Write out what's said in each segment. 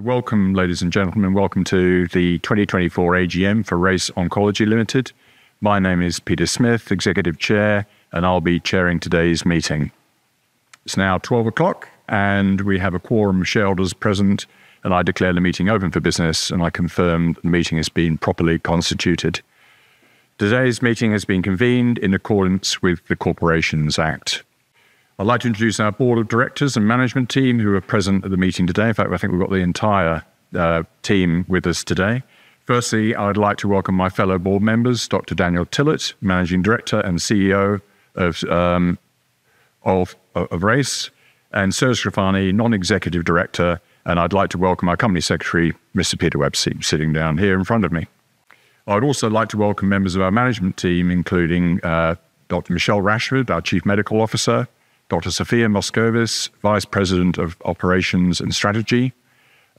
Welcome, ladies and gentlemen, and welcome to the 2024 AGM for Race Oncology Limited. My name is Peter Smith, Executive Chair, and I'll be chairing today's meeting. It's now 12:00 P.M., and we have a quorum of shareholders present, and I declare the meeting open for business, and I confirm the meeting has been properly constituted. Today's meeting has been convened in accordance with the Corporations Act. I'd like to introduce our Board of Directors and Management Team who are present at the meeting today. In fact, I think we've got the entire team with us today. Firstly, I'd like to welcome my fellow board members, Dr. Daniel Tillett, Managing Director and CEO of Race, and Serge Scrofani, Non-Executive Director, and I'd like to welcome our Company Secretary, Mr. Peter Webse, sitting down here in front of me. I'd also like to welcome members of our Management Team, including Dr. Michelle Rochford, our Chief Medical Officer, Dr. Sophia Moscovis, Vice President of Operations and Strategy,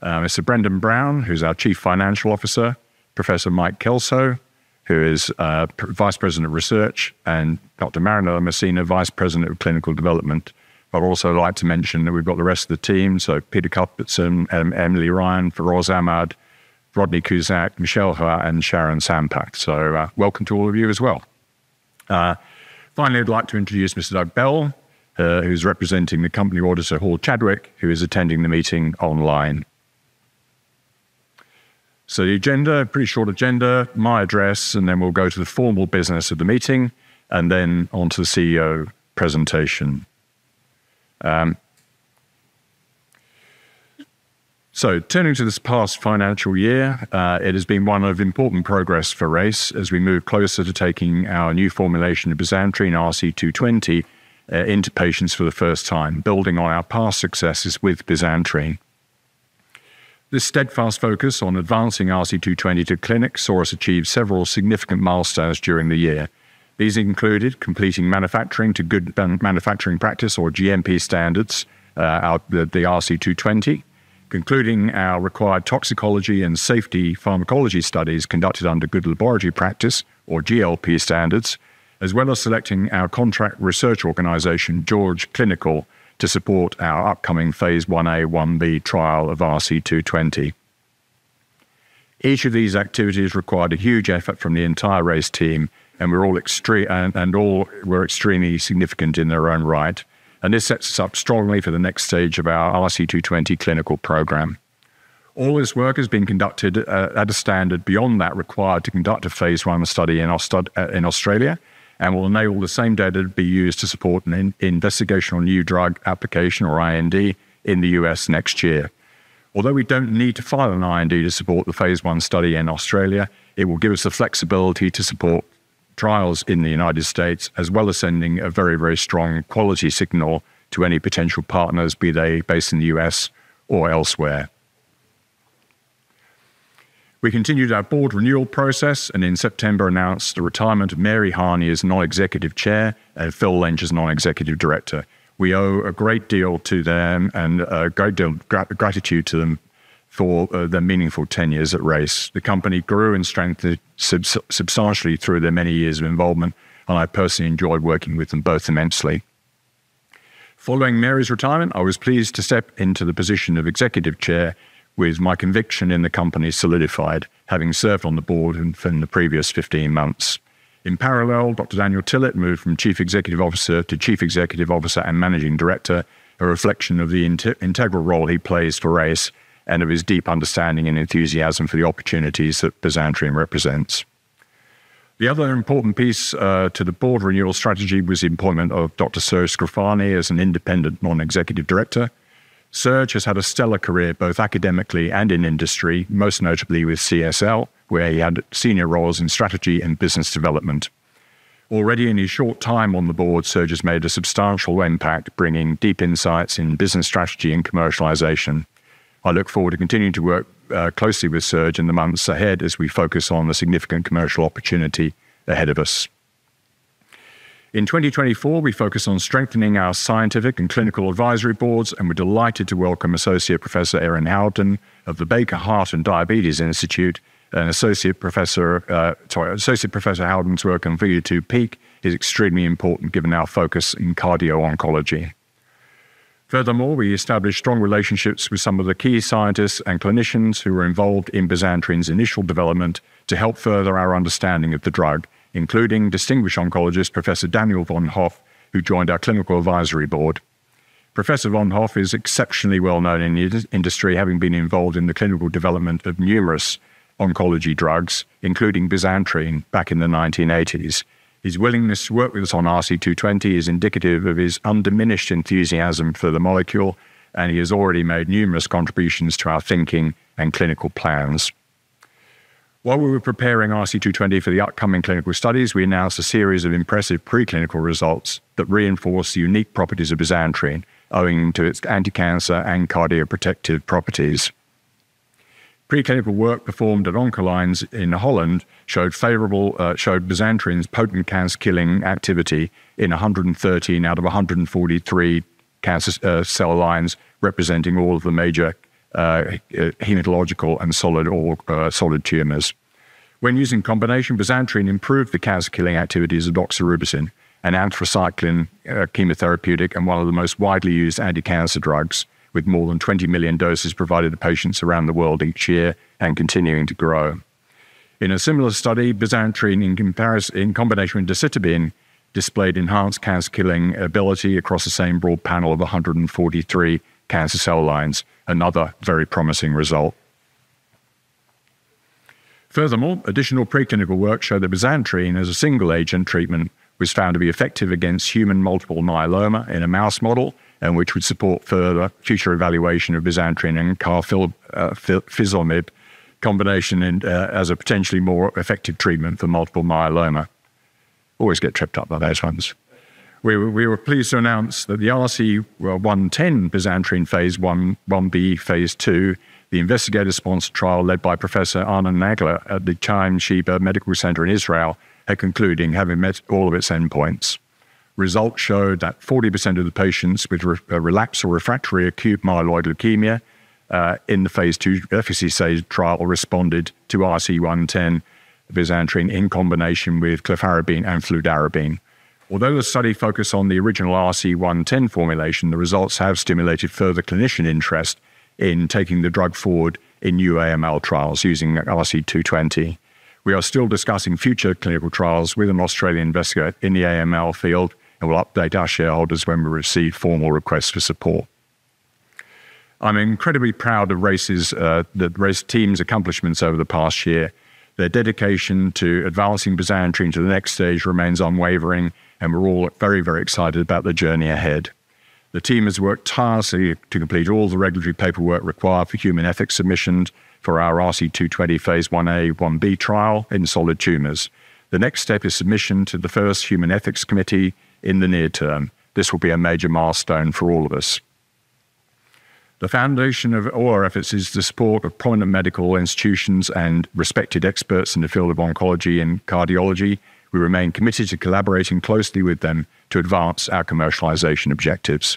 Mr. Brendan Brown, who's our Chief Financial Officer, Professor Mike Kelso, who is Vice President of Research, and Dr. Marinella Messina, Vice President of Clinical Development. I'd also like to mention that we've got the rest of the team: Peter Kapitein, Emily Ryan, Feroz Ahmed, Rodney Cusack, Michelle Hwa, and Sharon Sampey, so welcome to all of you as well. Finally, I'd like to introduce Mr. Doug Bell, who's representing the company auditor, Hall Chadwick, who is attending the meeting online, so the agenda, pretty short agenda, my address, and then we'll go to the formal business of the meeting and then on to the CEO presentation. Turning to this past financial year, it has been one of important progress for Race as we move closer to taking our new formulation of bisantrene RC220 into patients for the first time, building on our past successes with bisantrene. This steadfast focus on advancing RC220 to clinics saw us achieve several significant milestones during the year. These included completing manufacturing to good manufacturing practice, or GMP standards, the RC220, concluding our required toxicology and safety pharmacology studies conducted under good laboratory practice, or GLP standards, as well as selecting our contract research organization, George Clinical, to support our upcoming phase IIa/IIb trial of RC220. Each of these activities required a huge effort from the entire Race Team, and they're all extremely significant in their own right. And this sets us up strongly for the next stage of our RC220 clinical program. All this work has been conducted at a standard beyond that required to conduct a phase I study in Australia and will enable the same data to be used to support an investigational new drug application, or IND, in the U.S. next year. Although we don't need to file an IND to support the phase I study in Australia, it will give us the flexibility to support trials in the United States, as well as sending a very, very strong quality signal to any potential partners, be they based in the U.S. or elsewhere. We continued our board renewal process and in September announced the retirement of Mary Harney as Non-Executive Chair and Phil Lynch as Non-Executive Director. We owe a great deal to them and a great deal of gratitude to them for their meaningful tenures at Race. The company grew and strengthened substantially through their many years of involvement, and I personally enjoyed working with them both immensely. Following Mary's retirement, I was pleased to step into the position of Executive Chair with my conviction in the company solidified, having served on the board for the previous 15 months. In parallel, Dr. Daniel Tillett moved from Chief Executive Officer to Chief Executive Officer and Managing Director, a reflection of the integral role he plays for Race and of his deep understanding and enthusiasm for the opportunities that bisantrene represents. The other important piece to the board renewal strategy was the employment of Dr. Serge Scrofani as an independent Non-Executive Director. Serge has had a stellar career both academically and in industry, most notably with CSL, where he had senior roles in strategy and business development. Already in his short time on the board, Serge has made a substantial impact, bringing deep insights in business strategy and commercialization. I look forward to continuing to work closely with Serge in the months ahead as we focus on the significant commercial opportunity ahead of us. In 2024, we focus on strengthening our scientific and clinical advisory boards, and we're delighted to welcome Associate Professor Erin Howden of the Baker Heart and Diabetes Institute. Associate Professor Howden's work on VO2 peak is extremely important given our focus in cardio-oncology. Furthermore, we established strong relationships with some of the key scientists and clinicians who were involved in bisantrene's initial development to help further our understanding of the drug, including distinguished oncologist Professor Daniel Von Hoff, who joined our clinical advisory board. Professor Von Hoff is exceptionally well known in the industry, having been involved in the clinical development of numerous oncology drugs, including bisantrene, back in the 1980s. His willingness to work with us on RC220 is indicative of his undiminished enthusiasm for the molecule, and he has already made numerous contributions to our thinking and clinical plans. While we were preparing RC220 for the upcoming clinical studies, we announced a series of impressive preclinical results that reinforce the unique properties of bisantrene, owing to its anti-cancer and cardio-protective properties. Preclinical work performed at Oncolines in Holland showed bisantrene's potent cancer-killing activity in 113 out of 143 cancer cell lines, representing all of the major hematological and solid tumors. When used in combination, bisantrene improved the cancer-killing activities of doxorubicin, an anthracycline chemotherapeutic and one of the most widely used anti-cancer drugs, with more than 20 million doses provided to patients around the world each year and continuing to grow. In a similar study, bisantrene, in combination with decitabine, displayed enhanced cancer-killing ability across the same broad panel of 143 cancer cell lines, another very promising result. Furthermore, additional preclinical work showed that bisantrene, as a single-agent treatment, was found to be effective against human multiple myeloma in a mouse model, which would support further future evaluation of bisantrene and carfilzomib combination as a potentially more effective treatment for multiple myeloma. Always get tripped up by those ones. We were pleased to announce that the RC110 bisantrene phase Ib, phase II, the investigator-sponsored trial led by Professor Arnon Nagler at the Chaim Sheba Medical Center in Israel, had concluded, having met all of its endpoints. Results showed that 40% of the patients with relapse or refractory acute myeloid leukemia in the phase II efficacy trial responded to RC110 bisantrene in combination with cladribine and fludarabine. Although the study focused on the original RC110 formulation, the results have stimulated further clinician interest in taking the drug forward in new AML trials using RC220. We are still discussing future clinical trials with an Australian investigator in the AML field, and we'll update our shareholders when we receive formal requests for support. I'm incredibly proud of Race Team's accomplishments over the past year. Their dedication to advancing bisantrene to the next stage remains unwavering, and we're all very, very excited about the journey ahead. The team has worked tirelessly to complete all the regulatory paperwork required for human ethics submission for our RC220 phase Ia/Ib trial in solid tumors. The next step is submission to the first human ethics committee in the near term. This will be a major milestone for all of us. The foundation of all our efforts is the support of prominent medical institutions and respected experts in the field of oncology and cardiology. We remain committed to collaborating closely with them to advance our commercialization objectives.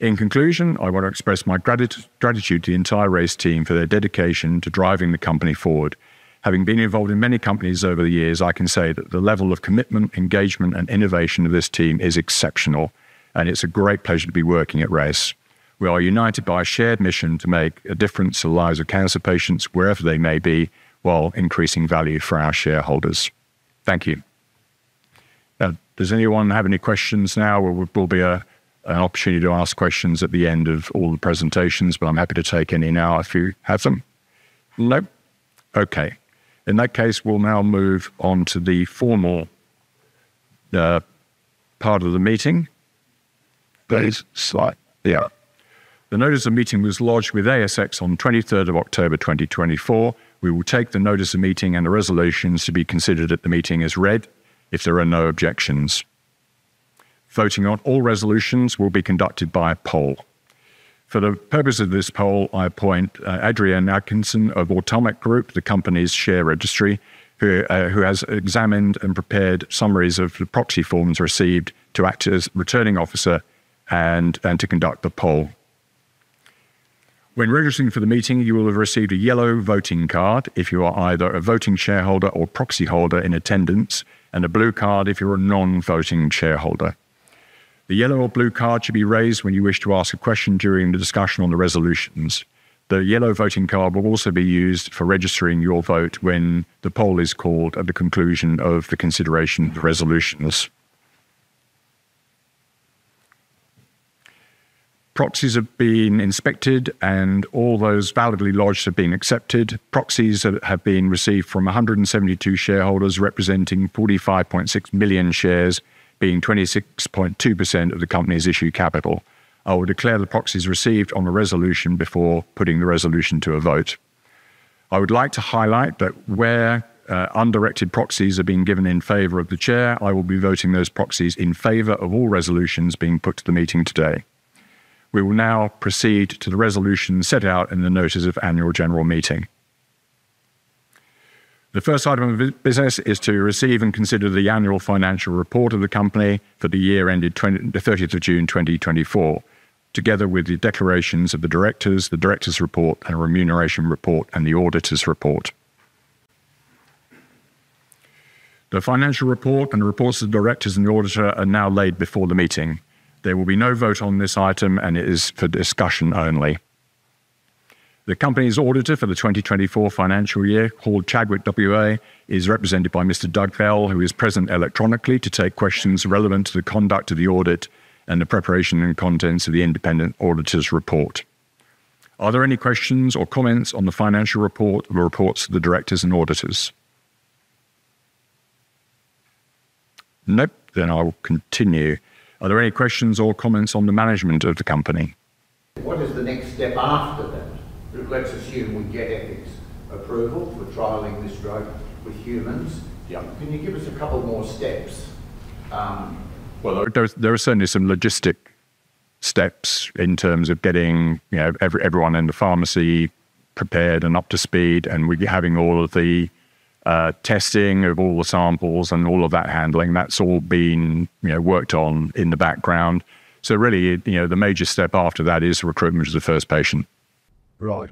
In conclusion, I want to express my gratitude to the entire Race Team for their dedication to driving the company forward. Having been involved in many companies over the years, I can say that the level of commitment, engagement, and innovation of this team is exceptional, and it's a great pleasure to be working at Race. We are united by a shared mission to make a difference in the lives of cancer patients, wherever they may be, while increasing value for our shareholders. Thank you. Does anyone have any questions now? There will be an opportunity to ask questions at the end of all the presentations, but I'm happy to take any now if you have them. No? Okay. In that case, we'll now move on to the formal part of the meeting. Please slide. Yeah. The motice of meeting was lodged with ASX on 23rd of October 2024. We will take the notice of meeting and the resolutions to be considered at the meeting as read if there are no objections. Voting on all resolutions will be conducted by a poll. For the purpose of this poll, I appoint Adrian Atkinson of Automic Group, the company's share registry, who has examined and prepared summaries of the proxy forms received to act as returning officer and to conduct the poll. When registering for the meeting, you will have received a yellow voting card if you are either a voting shareholder or proxy holder in attendance, and a blue card if you're a non-voting shareholder. The yellow or blue card should be raised when you wish to ask a question during the discussion on the resolutions. The yellow voting card will also be used for registering your vote when the poll is called at the conclusion of the consideration of the resolutions. Proxies have been inspected, and all those validly lodged have been accepted. Proxies have been received from 172 shareholders representing 45.6 million shares, being 26.2% of the company's issued capital. I will declare the proxies received on the resolution before putting the resolution to a vote. I would like to highlight that where undirected proxies have been given in favor of the chair, I will be voting those proxies in favor of all resolutions being put to the meeting today. We will now proceed to the resolution set out in the Notice of Annual General Meeting. The first item of business is to receive and consider the annual financial report of the company for the year ended the 30th of June 2024, together with the declarations of the directors, the director's report, and a remuneration report, and the auditor's report. The financial report and the reports of the directors and the auditor are now laid before the meeting. There will be no vote on this item, and it is for discussion only. The company's auditor for the 2024 financial year, Hall Chadwick WA, is represented by Mr. Doug Bell, who is present electronically to take questions relevant to the conduct of the audit and the preparation and contents of the independent auditor's report. Are there any questions or comments on the financial report or reports to the directors and auditors? Nope, then I'll continue. Are there any questions or comments on the management of the company? What is the next step after that? Let's assume we get its approval for trialing this drug with humans. Can you give us a couple more steps? Well, there are certainly some logistic steps in terms of getting everyone in the pharmacy prepared and up to speed, and we're having all of the testing of all the samples and all of that handling. That's all been worked on in the background. So really, the major step after that is recruitment of the first patient. Right.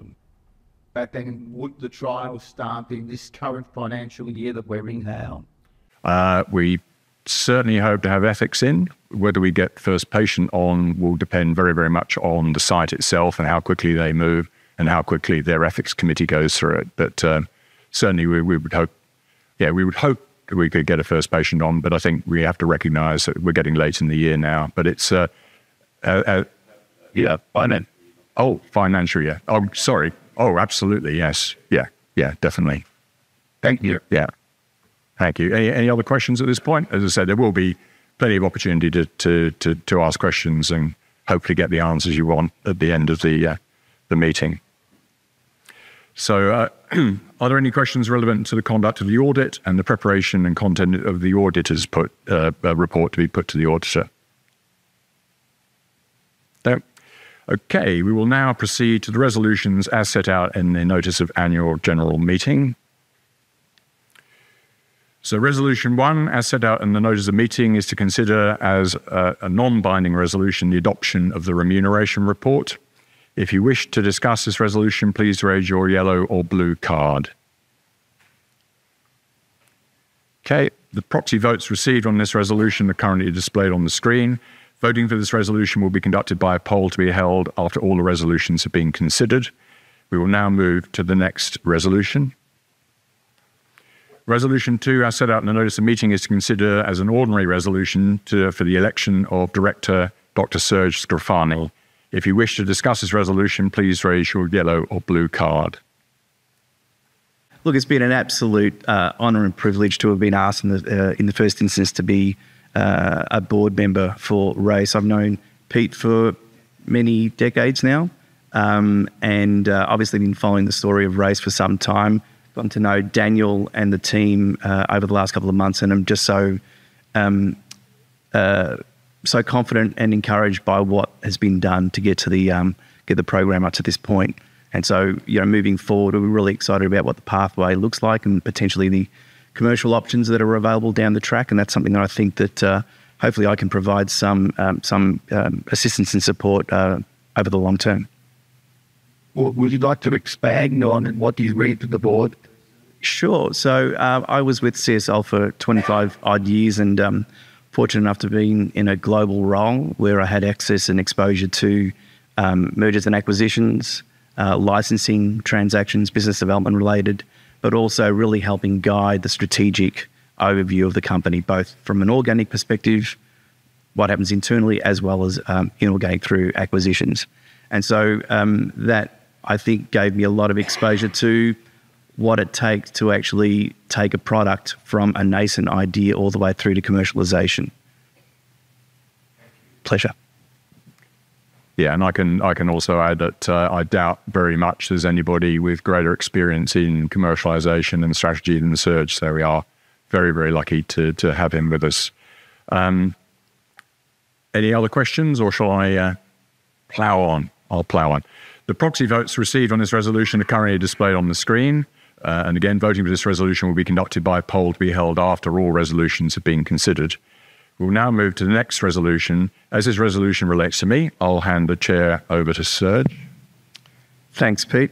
Back then, would the trial start in this current financial year that we're in now? We certainly hope to have ethics in. Whether we get the first patient on will depend very, very much on the site itself and how quickly they move and how quickly their ethics committee goes through it. But certainly, we would hope that we could get a first patient on, but I think we have to recognize that we're getting late in the year now. But it's financially. Oh, financially, yeah. Oh, sorry. Oh, absolutely, yes. Yeah, yeah, definitely. Thank you. Yeah, thank you. Any other questions at this point? As I said, there will be plenty of opportunity to ask questions and hopefully get the answers you want at the end of the meeting. So are there any questions relevant to the conduct of the audit and the preparation and content of the auditor's report to be put to the auditor? No? Okay, we will now proceed to the resolutions as set out in the notice of annual general meeting. So resolution one, as set out in the notice of meeting, is to consider as a non-binding resolution the adoption of the remuneration report. If you wish to discuss this resolution, please raise your yellow or blue card. Okay, the proxy votes received on this resolution are currently displayed on the screen. Voting for this resolution will be conducted by a poll to be held after all the resolutions have been considered. We will now move to the next resolution. Resolution two, as set out in the notice of meeting, is to consider as an ordinary resolution for the election of Director Dr. Serge Scrofani. If you wish to discuss this resolution, please raise your yellow or blue card. Look, it's been an absolute honor and privilege to have been asked in the first instance to be a board member for Race. I've known Pete for many decades now and obviously been following the story of Race for some time. I've gotten to know Daniel and the team over the last couple of months, and I'm just so confident and encouraged by what has been done to get the program up to this point. And so moving forward, we're really excited about what the pathway looks like and potentially the commercial options that are available down the track. And that's something that I think that hopefully I can provide some assistance and support over the long term. What would you like to expand on and what do you read to the board? Sure. So I was with CSL for 25-odd years and fortunate enough to be in a global role where I had access and exposure to mergers and acquisitions, licensing transactions, business development related, but also really helping guide the strategic overview of the company, both from an organic perspective, what happens internally, as well as inorganic through acquisitions. And so that, I think, gave me a lot of exposure to what it takes to actually take a product from a nascent idea all the way through to commercialization. Pleasure. Yeah, and I can also add that I doubt very much there's anybody with greater experience in commercialization and strategy than Serge. So we are very, very lucky to have him with us. Any other questions, or shall I plow on? I'll plow on. The proxy votes received on this resolution are currently displayed on the screen. And again, voting for this resolution will be conducted by a poll to be held after all resolutions have been considered. We'll now move to the next resolution. As this resolution relates to me, I'll hand the chair over to Serge. Thanks, Pete.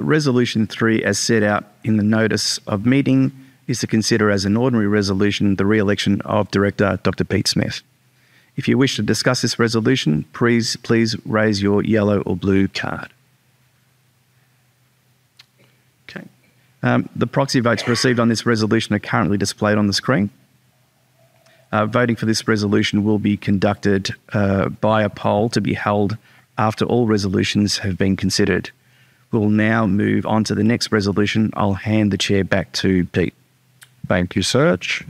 Resolution three, as set out in the notice of meeting, is to consider as an ordinary resolution the re-election of Director Dr. Pete Smith. If you wish to discuss this resolution, please, please raise your yellow or blue card. Okay. The proxy votes received on this resolution are currently displayed on the screen. Voting for this resolution will be conducted by a poll to be held after all resolutions have been considered. We'll now move on to the next resolution. I'll hand the chair back to Pete. Thank you, Serge.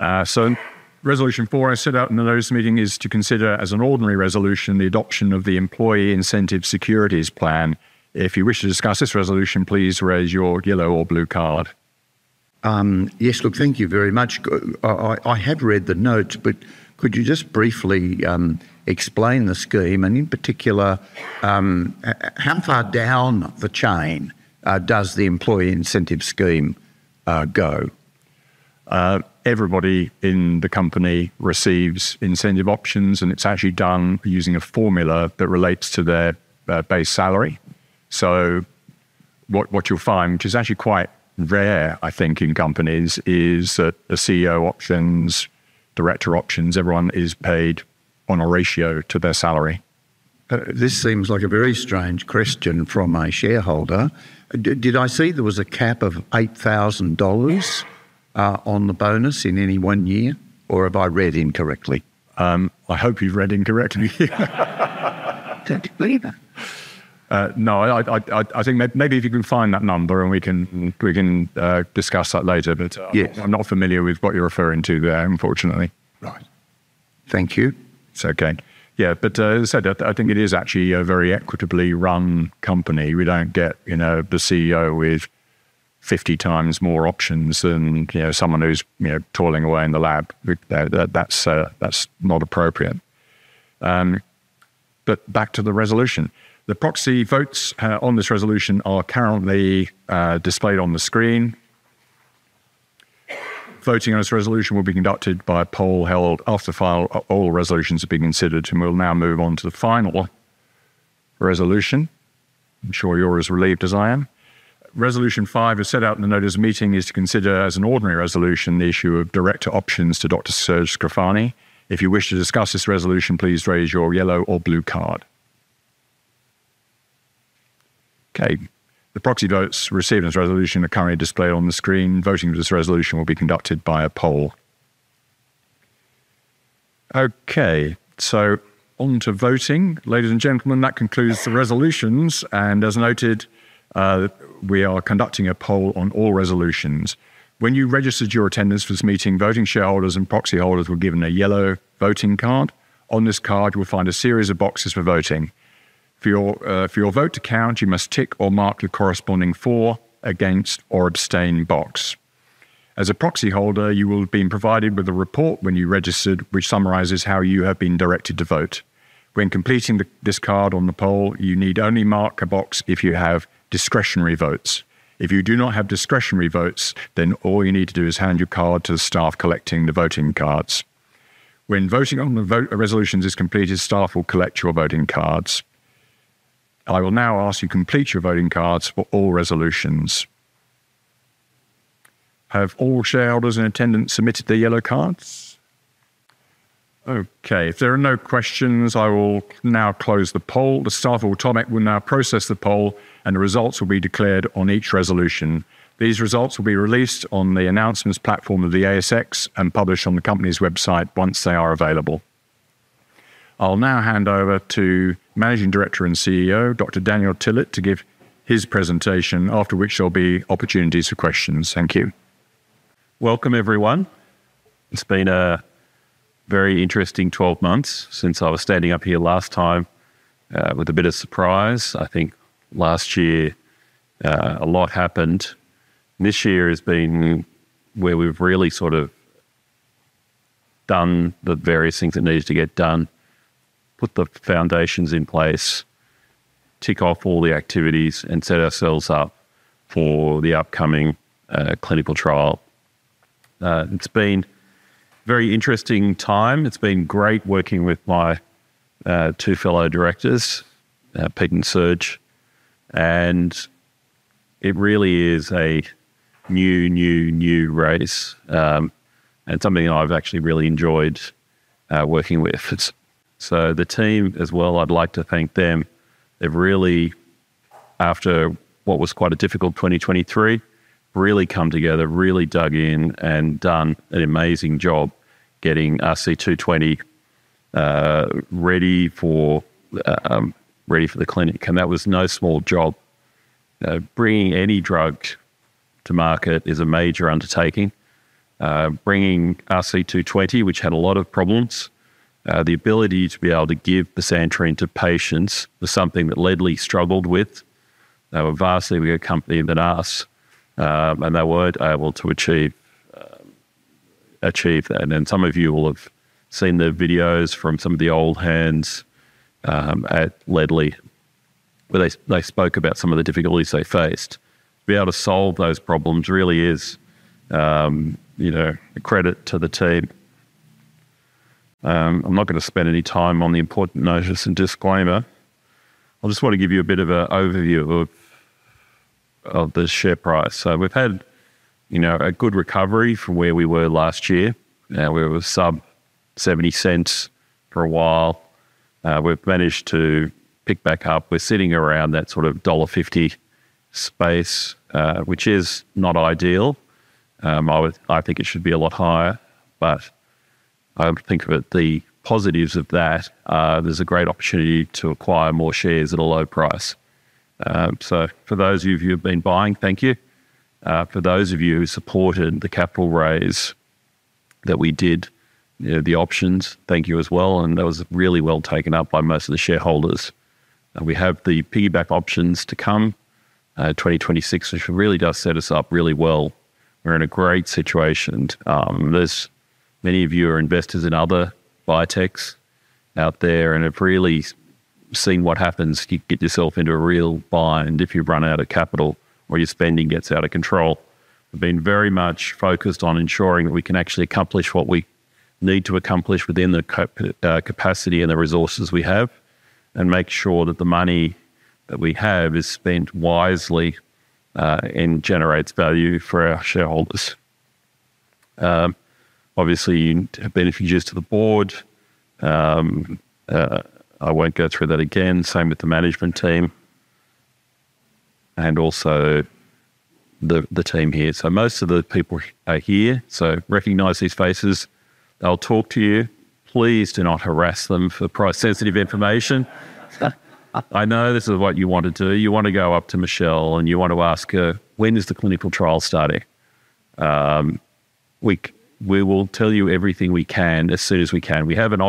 So resolution four, as set out in the notice of meeting, is to consider as an ordinary resolution the adoption of the Employee Incentive Securities Plan. If you wish to discuss this resolution, please raise your yellow or blue card. Yes, look, thank you very much. I have read the note, but could you just briefly explain the scheme and in particular, how far down the chain does the Employee Incentive Scheme go? Everybody in the company receives incentive options, and it's actually done using a formula that relates to their base salary. So what you'll find, which is actually quite rare, I think, in companies, is that the CEO options, director options, everyone is paid on a ratio to their salary. This seems like a very strange question from my shareholder. Did I see there was a cap of 8,000 dollars on the bonus in any one year, or have I read incorrectly? I hope you've read incorrectly. Don't you believe that? No, I think maybe if you can find that number and we can discuss that later, but I'm not familiar with what you're referring to there, unfortunately. Right. Thank you. It's okay. Yeah, but as I said, I think it is actually a very equitably run company. We don't get the CEO with 50 times more options than someone who's toiling away in the lab. That's not appropriate. But back to the resolution. The proxy votes on this resolution are currently displayed on the screen. Voting on this resolution will be conducted by a poll held after all resolutions have been considered, and we'll now move on to the final resolution. I'm sure you're as relieved as I am. Resolution five is set out in the notice of meeting is to consider as an ordinary resolution the issue of director options to Dr. Serge Scrofani. If you wish to discuss this resolution, please raise your yellow or blue card. Okay. The proxy votes received on this resolution are currently displayed on the screen. Voting for this resolution will be conducted by a poll. Okay, so on to voting. Ladies and gentlemen, that concludes the resolutions. And as noted, we are conducting a poll on all resolutions. When you registered your attendance for this meeting, voting shareholders and proxy holders were given a yellow voting card. On this card, you will find a series of boxes for voting. For your vote to count, you must tick or mark the corresponding for, against, or abstain box. As a proxy holder, you will have been provided with a report when you registered, which summarizes how you have been directed to vote. When completing this card on the poll, you need only mark a box if you have discretionary votes. If you do not have discretionary votes, then all you need to do is hand your card to the staff collecting the voting cards. When voting on the resolutions is completed, staff will collect your voting cards. I will now ask you to complete your voting cards for all resolutions. Have all shareholders in attendance submitted their yellow cards? Okay, if there are no questions, I will now close the poll. The staff of Automic will now process the poll, and the results will be declared on each resolution. These results will be released on the announcements platform of the ASX and published on the company's website once they are available. I'll now hand over to Managing Director and CEO, Dr. Daniel Tillett, to give his presentation, after which there will be opportunities for questions. Thank you. Welcome, everyone. It's been a very interesting 12 months since I was standing up here last time with a bit of surprise. I think last year a lot happened. This year has been where we've really sort of done the various things that needed to get done, put the foundations in place, tick off all the activities, and set ourselves up for the upcoming clinical trial. It's been a very interesting time. It's been great working with my two fellow directors, Pete and Serge, and it really is a new, new, new race and something I've actually really enjoyed working with. So the team as well, I'd like to thank them. They've really, after what was quite a difficult 2023, really come together, really dug in, and done an amazing job getting RC220 ready for the clinic. And that was no small job. Bringing any drug to market is a major undertaking. Bringing RC220, which had a lot of problems, the ability to be able to give the bisantrene to patients was something that Lederle struggled with. They were vastly a company that asked, and they weren't able to achieve that. Then some of you will have seen the videos from some of the old hands at Lederle where they spoke about some of the difficulties they faced. To be able to solve those problems really is a credit to the team. I'm not going to spend any time on the important notice and disclaimer. I just want to give you a bit of an overview of the share price. We've had a good recovery from where we were last year. We were below 0.70 for a while. We've managed to pick back up. We're sitting around that sort of dollar 1.50 space, which is not ideal. I think it should be a lot higher, but I think of the positives of that. There's a great opportunity to acquire more shares at a low price. So for those of you who have been buying, thank you. For those of you who supported the capital raise that we did, the options, thank you as well. And that was really well taken up by most of the shareholders. We have the piggyback options to come. 2026 really does set us up really well. We're in a great situation. Many of you are investors in other biotechs out there and have really seen what happens if you get yourself into a real bind, if you run out of capital or your spending gets out of control. We've been very much focused on ensuring that we can actually accomplish what we need to accomplish within the capacity and the resources we have and make sure that the money that we have is spent wisely and generates value for our shareholders. Obviously, you have been introduced to the board. I won't go through that again. Same with the management team and also the team here, so most of the people are here, so recognize these faces. They'll talk to you. Please do not harass them for price-sensitive information. I know this is what you want to do. You want to go up to Michelle and you want to ask her, "When is the clinical trial starting?" We will tell you everything we can as soon as we can. We have an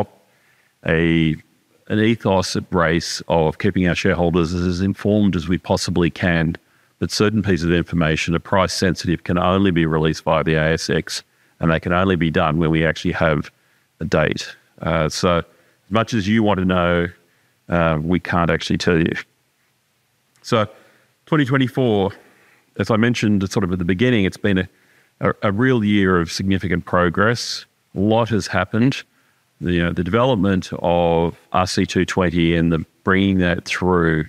ethos at Race of keeping our shareholders as informed as we possibly can, but certain pieces of information, price-sensitive, can only be released by the ASX, and they can only be done when we actually have a date, so as much as you want to know, we can't actually tell you. So 2024, as I mentioned sort of at the beginning, it's been a real year of significant progress. A lot has happened. The development of RC220 and bringing that through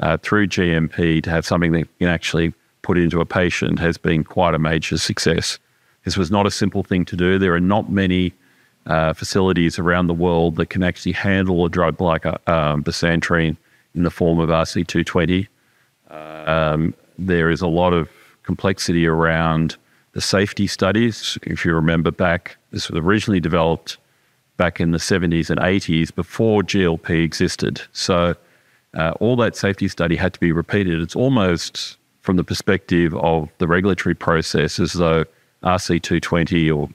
GMP to have something that can actually put into a patient has been quite a major success. This was not a simple thing to do. There are not many facilities around the world that can actually handle a drug like bisantrene in the form of RC220. There is a lot of complexity around the safety studies. If you remember back, this was originally developed back in the 1970s and 1980s before GLP existed. So all that safety study had to be repeated. It's almost from the perspective of the regulatory process as though RC220 or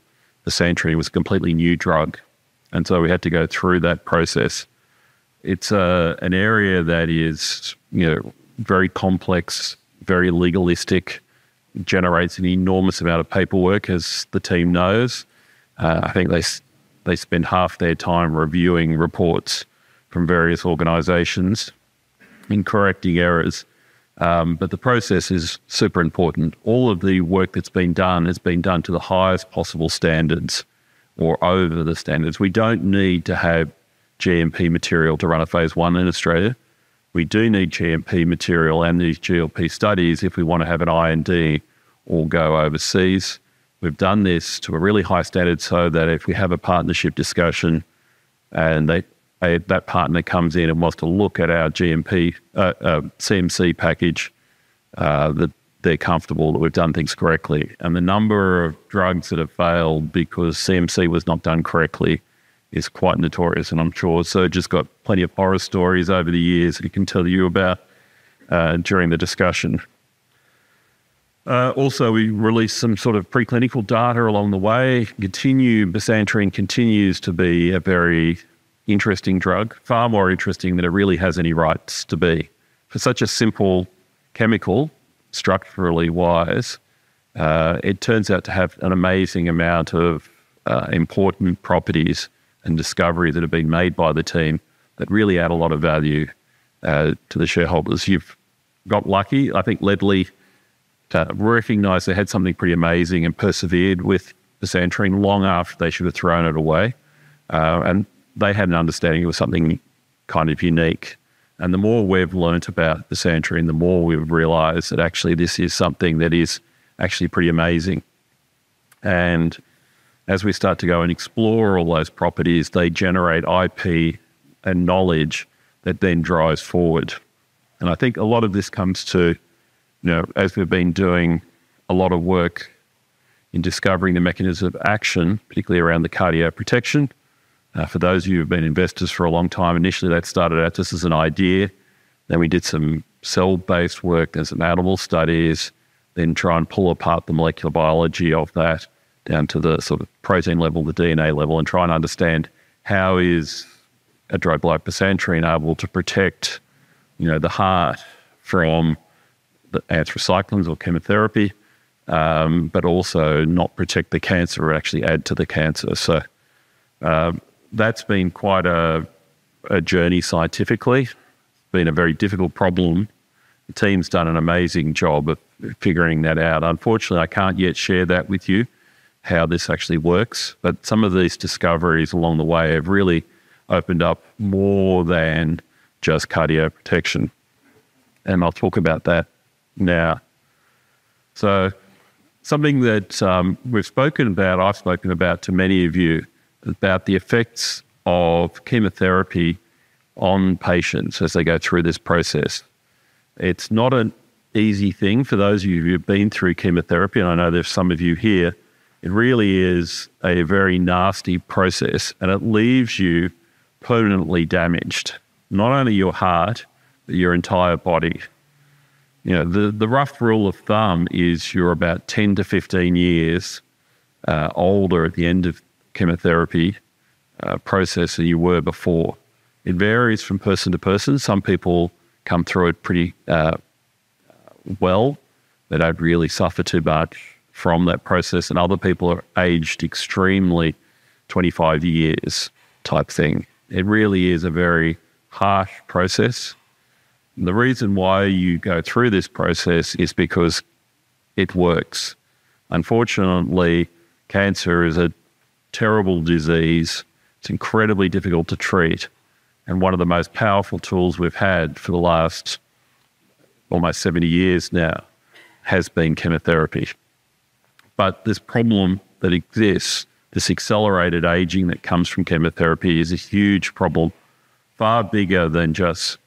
bisantrene was a completely new drug. And so we had to go through that process. It's an area that is very complex, very legalistic, generates an enormous amount of paperwork, as the team knows. I think they spend half their time reviewing reports from various organizations and correcting errors. But the process is super important. All of the work that's been done has been done to the highest possible standards or over the standards. We don't need to have GMP material to run a phase I in Australia. We do need GMP material and these GLP studies if we want to have an IND or go overseas. We've done this to a really high standard so that if we have a partnership discussion and that partner comes in and wants to look at our CMC package, they're comfortable that we've done things correctly. And the number of drugs that have failed because CMC was not done correctly is quite notorious, and I'm sure Serge has got plenty of horror stories over the years he can tell you about during the discussion. Also, we released some sort of preclinical data along the way. The bisantrene continues to be a very interesting drug, far more interesting than it really has any rights to be. For such a simple chemical, structurally wise, it turns out to have an amazing amount of important properties and discovery that have been made by the team that really add a lot of value to the shareholders. You've got lucky. I think Lederle recognized they had something pretty amazing and persevered with the bisantrene long after they should have thrown it away. And they had an understanding it was something kind of unique. And the more we've learned about the bisantrene, the more we've realized that actually this is something that is actually pretty amazing. And as we start to go and explore all those properties, they generate IP and knowledge that then drives forward. And I think a lot of this comes to, as we've been doing a lot of work in discovering the mechanism of action, particularly around the cardioprotection. For those of you who have been investors for a long time, initially that started out just as an idea. Then we did some cell-based work, then some animal studies, then try and pull apart the molecular biology of that down to the sort of protein level, the DNA level, and try and understand how is a drug like the Santorini able to protect the heart from anthracyclines or chemotherapy, but also not protect the cancer or actually add to the cancer. So that's been quite a journey scientifically. It's been a very difficult problem. The team's done an amazing job of figuring that out. Unfortunately, I can't yet share that with you, how this actually works. But some of these discoveries along the way have really opened up more than just cardioprotection. And I'll talk about that now. So something that we've spoken about, I've spoken about to many of you, about the effects of chemotherapy on patients as they go through this process. It's not an easy thing for those of you who have been through chemotherapy, and I know there's some of you here. It really is a very nasty process, and it leaves you permanently damaged, not only your heart, but your entire body. The rough rule of thumb is you're about 10 to 15 years older at the end of the chemotherapy process than you were before. It varies from person to person. Some people come through it pretty well. They don't really suffer too much from that process. And other people are aged extremely 25 years type thing. It really is a very harsh process. The reason why you go through this process is because it works. Unfortunately, cancer is a terrible disease. It's incredibly difficult to treat. And one of the most powerful tools we've had for the last almost 70 years now has been chemotherapy. But this problem that exists, this accelerated aging that comes from chemotherapy, is a huge problem, far bigger than just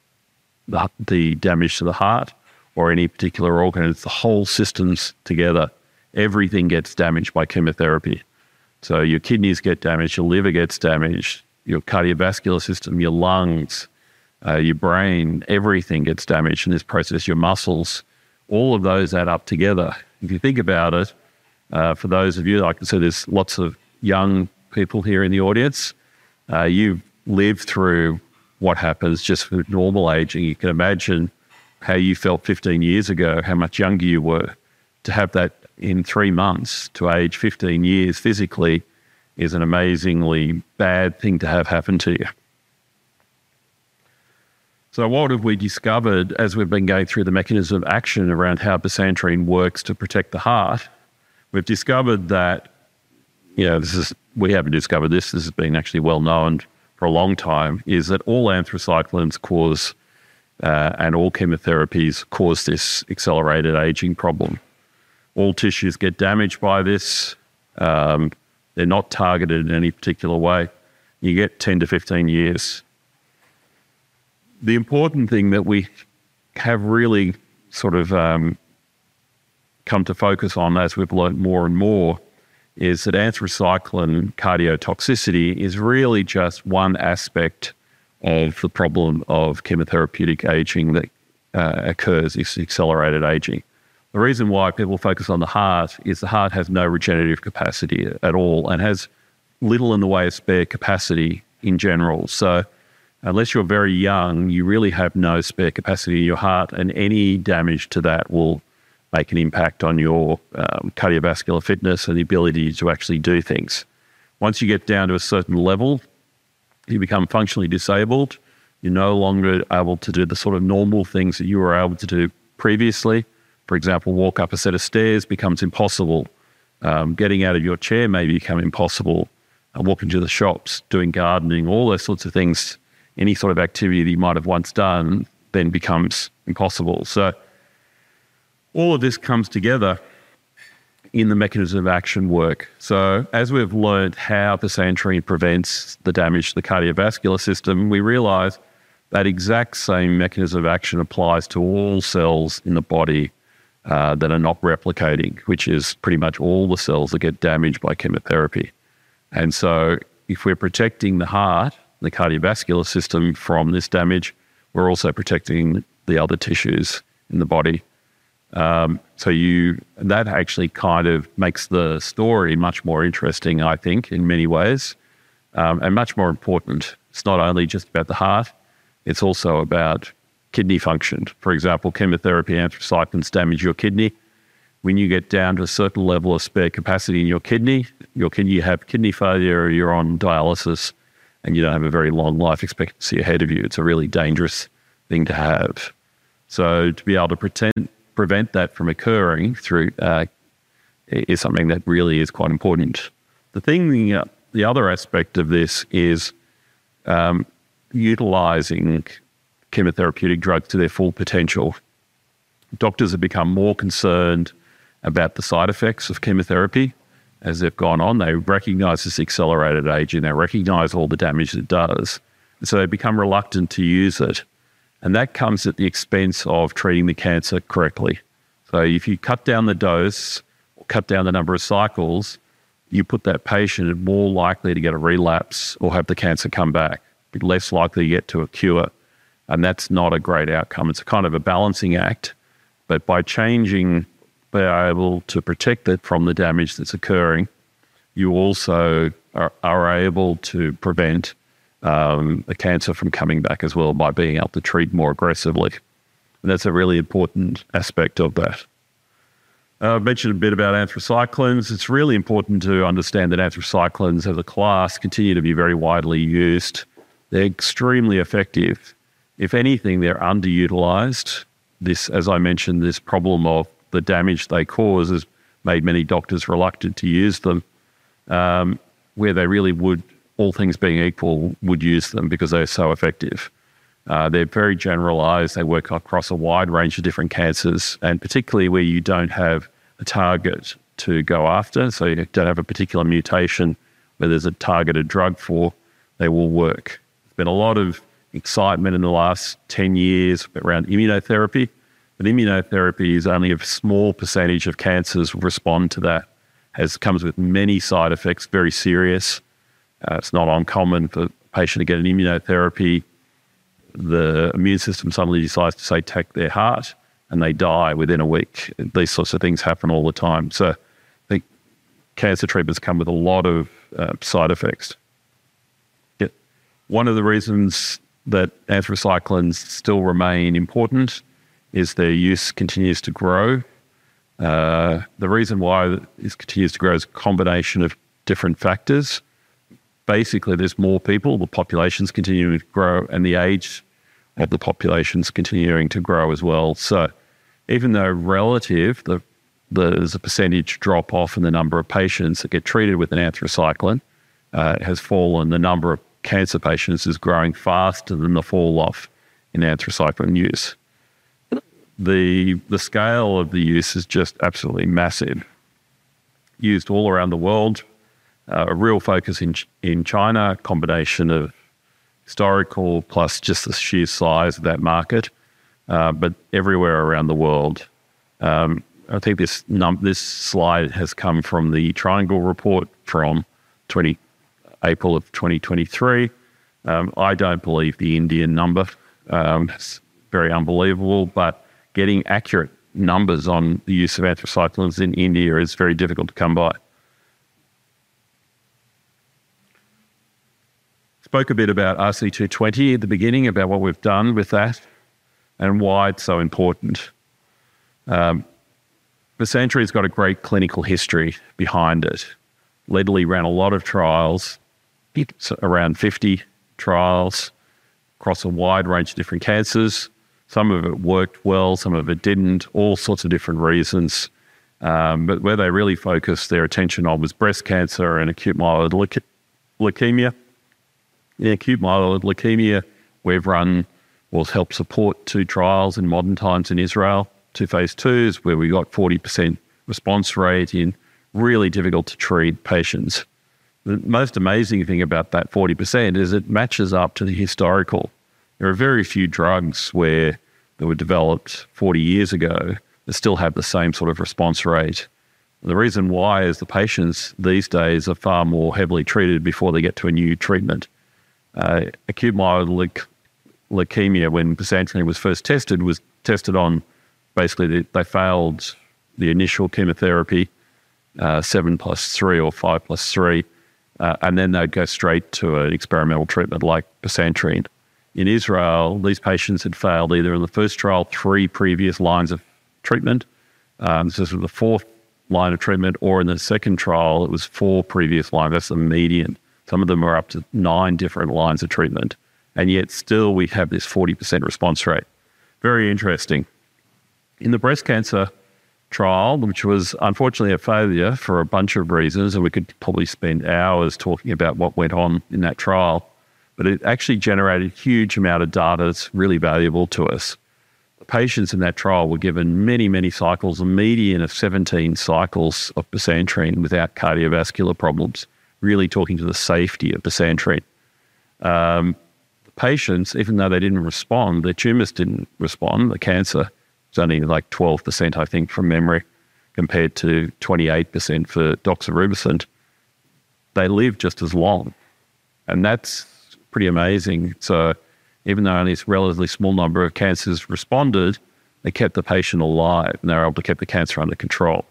the damage to the heart or any particular organ. It's the whole systems together. Everything gets damaged by chemotherapy. So your kidneys get damaged, your liver gets damaged, your cardiovascular system, your lungs, your brain, everything gets damaged in this process, your muscles. All of those add up together. If you think about it, for those of you, like I said, there's lots of young people here in the audience. You've lived through what happens just with normal aging. You can imagine how you felt 15 years ago, how much younger you were. To have that in three months to age 15 years physically is an amazingly bad thing to have happen to you. So what have we discovered as we've been going through the mechanism of action around how the bisantrene works to protect the heart? We've discovered that we haven't discovered this. This has been actually well known for a long time, is that all anthracyclines cause and all chemotherapies cause this accelerated aging problem. All tissues get damaged by this. They're not targeted in any particular way. You get 10-15 years. The important thing that we have really sort of come to focus on as we've learned more and more is that anthracycline cardiotoxicity is really just one aspect of the problem of chemotherapeutic aging that occurs is accelerated aging. The reason why people focus on the heart is the heart has no regenerative capacity at all and has little in the way of spare capacity in general. So unless you're very young, you really have no spare capacity in your heart, and any damage to that will make an impact on your cardiovascular fitness and the ability to actually do things. Once you get down to a certain level, you become functionally disabled. You're no longer able to do the sort of normal things that you were able to do previously. For example, walk up a set of stairs becomes impossible. Getting out of your chair may become impossible. Walking to the shops, doing gardening, all those sorts of things, any sort of activity that you might have once done then becomes impossible. So all of this comes together in the mechanism of action work. So as we've learned how the bisantrene prevents the damage to the cardiovascular system, we realize that exact same mechanism of action applies to all cells in the body that are not replicating, which is pretty much all the cells that get damaged by chemotherapy. And so if we're protecting the heart, the cardiovascular system from this damage, we're also protecting the other tissues in the body. So that actually kind of makes the story much more interesting, I think, in many ways and much more important. It's not only just about the heart. It's also about kidney function. For example, chemotherapy, anthracyclines damage your kidney. When you get down to a certain level of spare capacity in your kidney, you have kidney failure or you're on dialysis and you don't have a very long life expectancy ahead of you. It's a really dangerous thing to have. So to be able to prevent that from occurring through is something that really is quite important. The thing, the other aspect of this is utilizing chemotherapeutic drugs to their full potential. Doctors have become more concerned about the side effects of chemotherapy as they've gone on. They recognize this accelerated aging and recognize all the damage it does. And so they become reluctant to use it. And that comes at the expense of treating the cancer correctly. So if you cut down the dose or cut down the number of cycles, you put that patient more likely to get a relapse or have the cancer come back, be less likely to get to a cure. And that's not a great outcome. It's a kind of a balancing act. But by changing, they're able to protect it from the damage that's occurring. You also are able to prevent the cancer from coming back as well by being able to treat more aggressively. That's a really important aspect of that. I mentioned a bit about anthracyclines. It's really important to understand that anthracyclines as a class continue to be very widely used. They're extremely effective. If anything, they're underutilized. This, as I mentioned, this problem of the damage they cause has made many doctors reluctant to use them, where they really would, all things being equal, would use them because they're so effective. They're very generalized. They work across a wide range of different cancers, and particularly where you don't have a target to go after. You don't have a particular mutation where there's a targeted drug for, they will work. There's been a lot of excitement in the last 10 years around immunotherapy. But immunotherapy is only a small percentage of cancers respond to that, as it comes with many side effects, very serious. It's not uncommon for a patient to get an immunotherapy. The immune system suddenly decides to say, "Take their heart," and they die within a week. These sorts of things happen all the time. So I think cancer treatments come with a lot of side effects. One of the reasons that anthracyclines still remain important is their use continues to grow. The reason why this continues to grow is a combination of different factors. Basically, there's more people, the populations continue to grow, and the age of the populations continuing to grow as well. So even though relatively, there's a percentage drop off in the number of patients that get treated with an anthracycline has fallen, the number of cancer patients is growing faster than the falloff in anthracycline use. The scale of the use is just absolutely massive. Used all around the world, a real focus in China, a combination of historical plus just the sheer size of that market, but everywhere around the world. I think this slide has come from the Triangle Report from April of 2023. I don't believe the Indian number is very unbelievable, but getting accurate numbers on the use of anthracyclines in India is very difficult to come by. I spoke a bit about RC220 at the beginning, about what we've done with that and why it's so important. The bisantrene has got a great clinical history behind it. Lederle ran a lot of trials, around 50 trials across a wide range of different cancers. Some of it worked well, some of it didn't, all sorts of different reasons. But where they really focused their attention on was breast cancer and acute myeloid leukemia. In acute myeloid leukemia, we've run what's helped support two trials in modern times in Israel, two phase IIs, where we got 40% response rate in really difficult to treat patients. The most amazing thing about that 40% is it matches up to the historical. There are very few drugs where they were developed 40 years ago that still have the same sort of response rate. The reason why is the patients these days are far more heavily treated before they get to a new treatment. Acute myeloid leukemia, when the bisantrene was first tested, was tested on basically they failed the initial chemotherapy, seven plus three or five plus three, and then they'd go straight to an experimental treatment like the bisantrene. In Israel, these patients had failed either in the first trial, three previous lines of treatment, so this was the fourth line of treatment, or in the second trial, it was four previous lines. That's the median. Some of them were up to nine different lines of treatment. And yet still, we have this 40% response rate. Very interesting. In the breast cancer trial, which was unfortunately a failure for a bunch of reasons, and we could probably spend hours talking about what went on in that trial, but it actually generated a huge amount of data that's really valuable to us. The patients in that trial were given many, many cycles, a median of 17 cycles of bisantrene without cardiovascular problems, really speaking to the safety of bisantrene. The patients, even though they didn't respond, their tumors didn't respond. The cancer was only like 12%, I think, from memory compared to 28% for doxorubicin. They lived just as long, and that's pretty amazing, so even though only a relatively small number of cancers responded, they kept the patient alive and they were able to keep the cancer under control,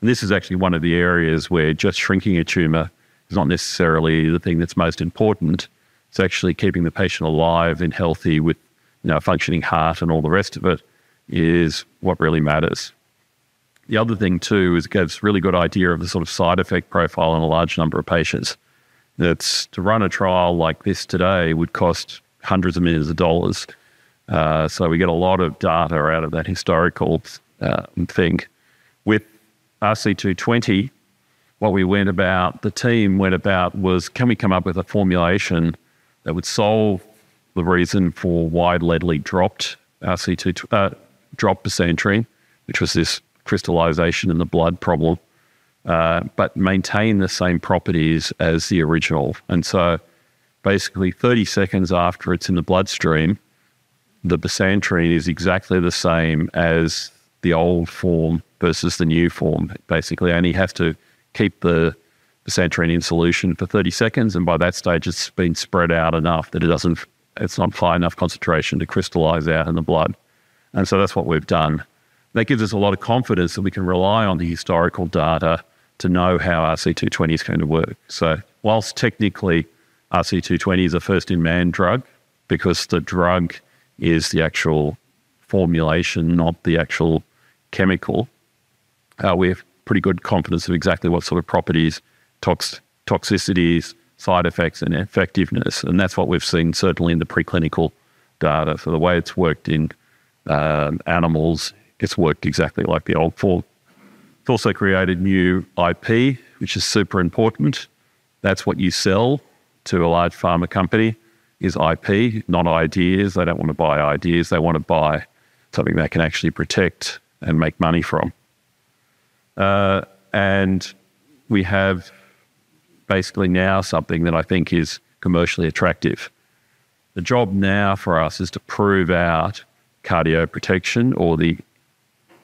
and this is actually one of the areas where just shrinking a tumor is not necessarily the thing that's most important. It's actually keeping the patient alive and healthy with a functioning heart and all the rest of it is what really matters. The other thing too is it gives a really good idea of the sort of side effect profile on a large number of patients. To run a trial like this today would cost hundreds of millions of dollars. So we get a lot of data out of that historical thing. With RC220, what we went about, the team went about was, can we come up with a formulation that would solve the reason for why Lederle dropped the bisantrene, which was this crystallization in the blood problem, but maintain the same properties as the original? And so basically, 30 seconds after it's in the bloodstream, the bisantrene is exactly the same as the old form versus the new form. Basically, I only have to keep the bisantrene in solution for 30 seconds, and by that stage, it's been spread out enough that it's not high enough concentration to crystallize out in the blood, and so that's what we've done. That gives us a lot of confidence that we can rely on the historical data to know how RC220 is going to work. So while technically RC220 is a first-in-man drug, because the drug is the actual formulation, not the actual chemical, we have pretty good confidence of exactly what sort of properties, toxicities, side effects, and effectiveness, and that's what we've seen certainly in the preclinical data. So the way it's worked in animals, it's worked exactly like the old form. It's also created new IP, which is super important. That's what you sell to a large pharma company is IP, not ideas. They don't want to buy ideas. They want to buy something they can actually protect and make money from. And we have basically now something that I think is commercially attractive. The job now for us is to prove out cardioprotection or the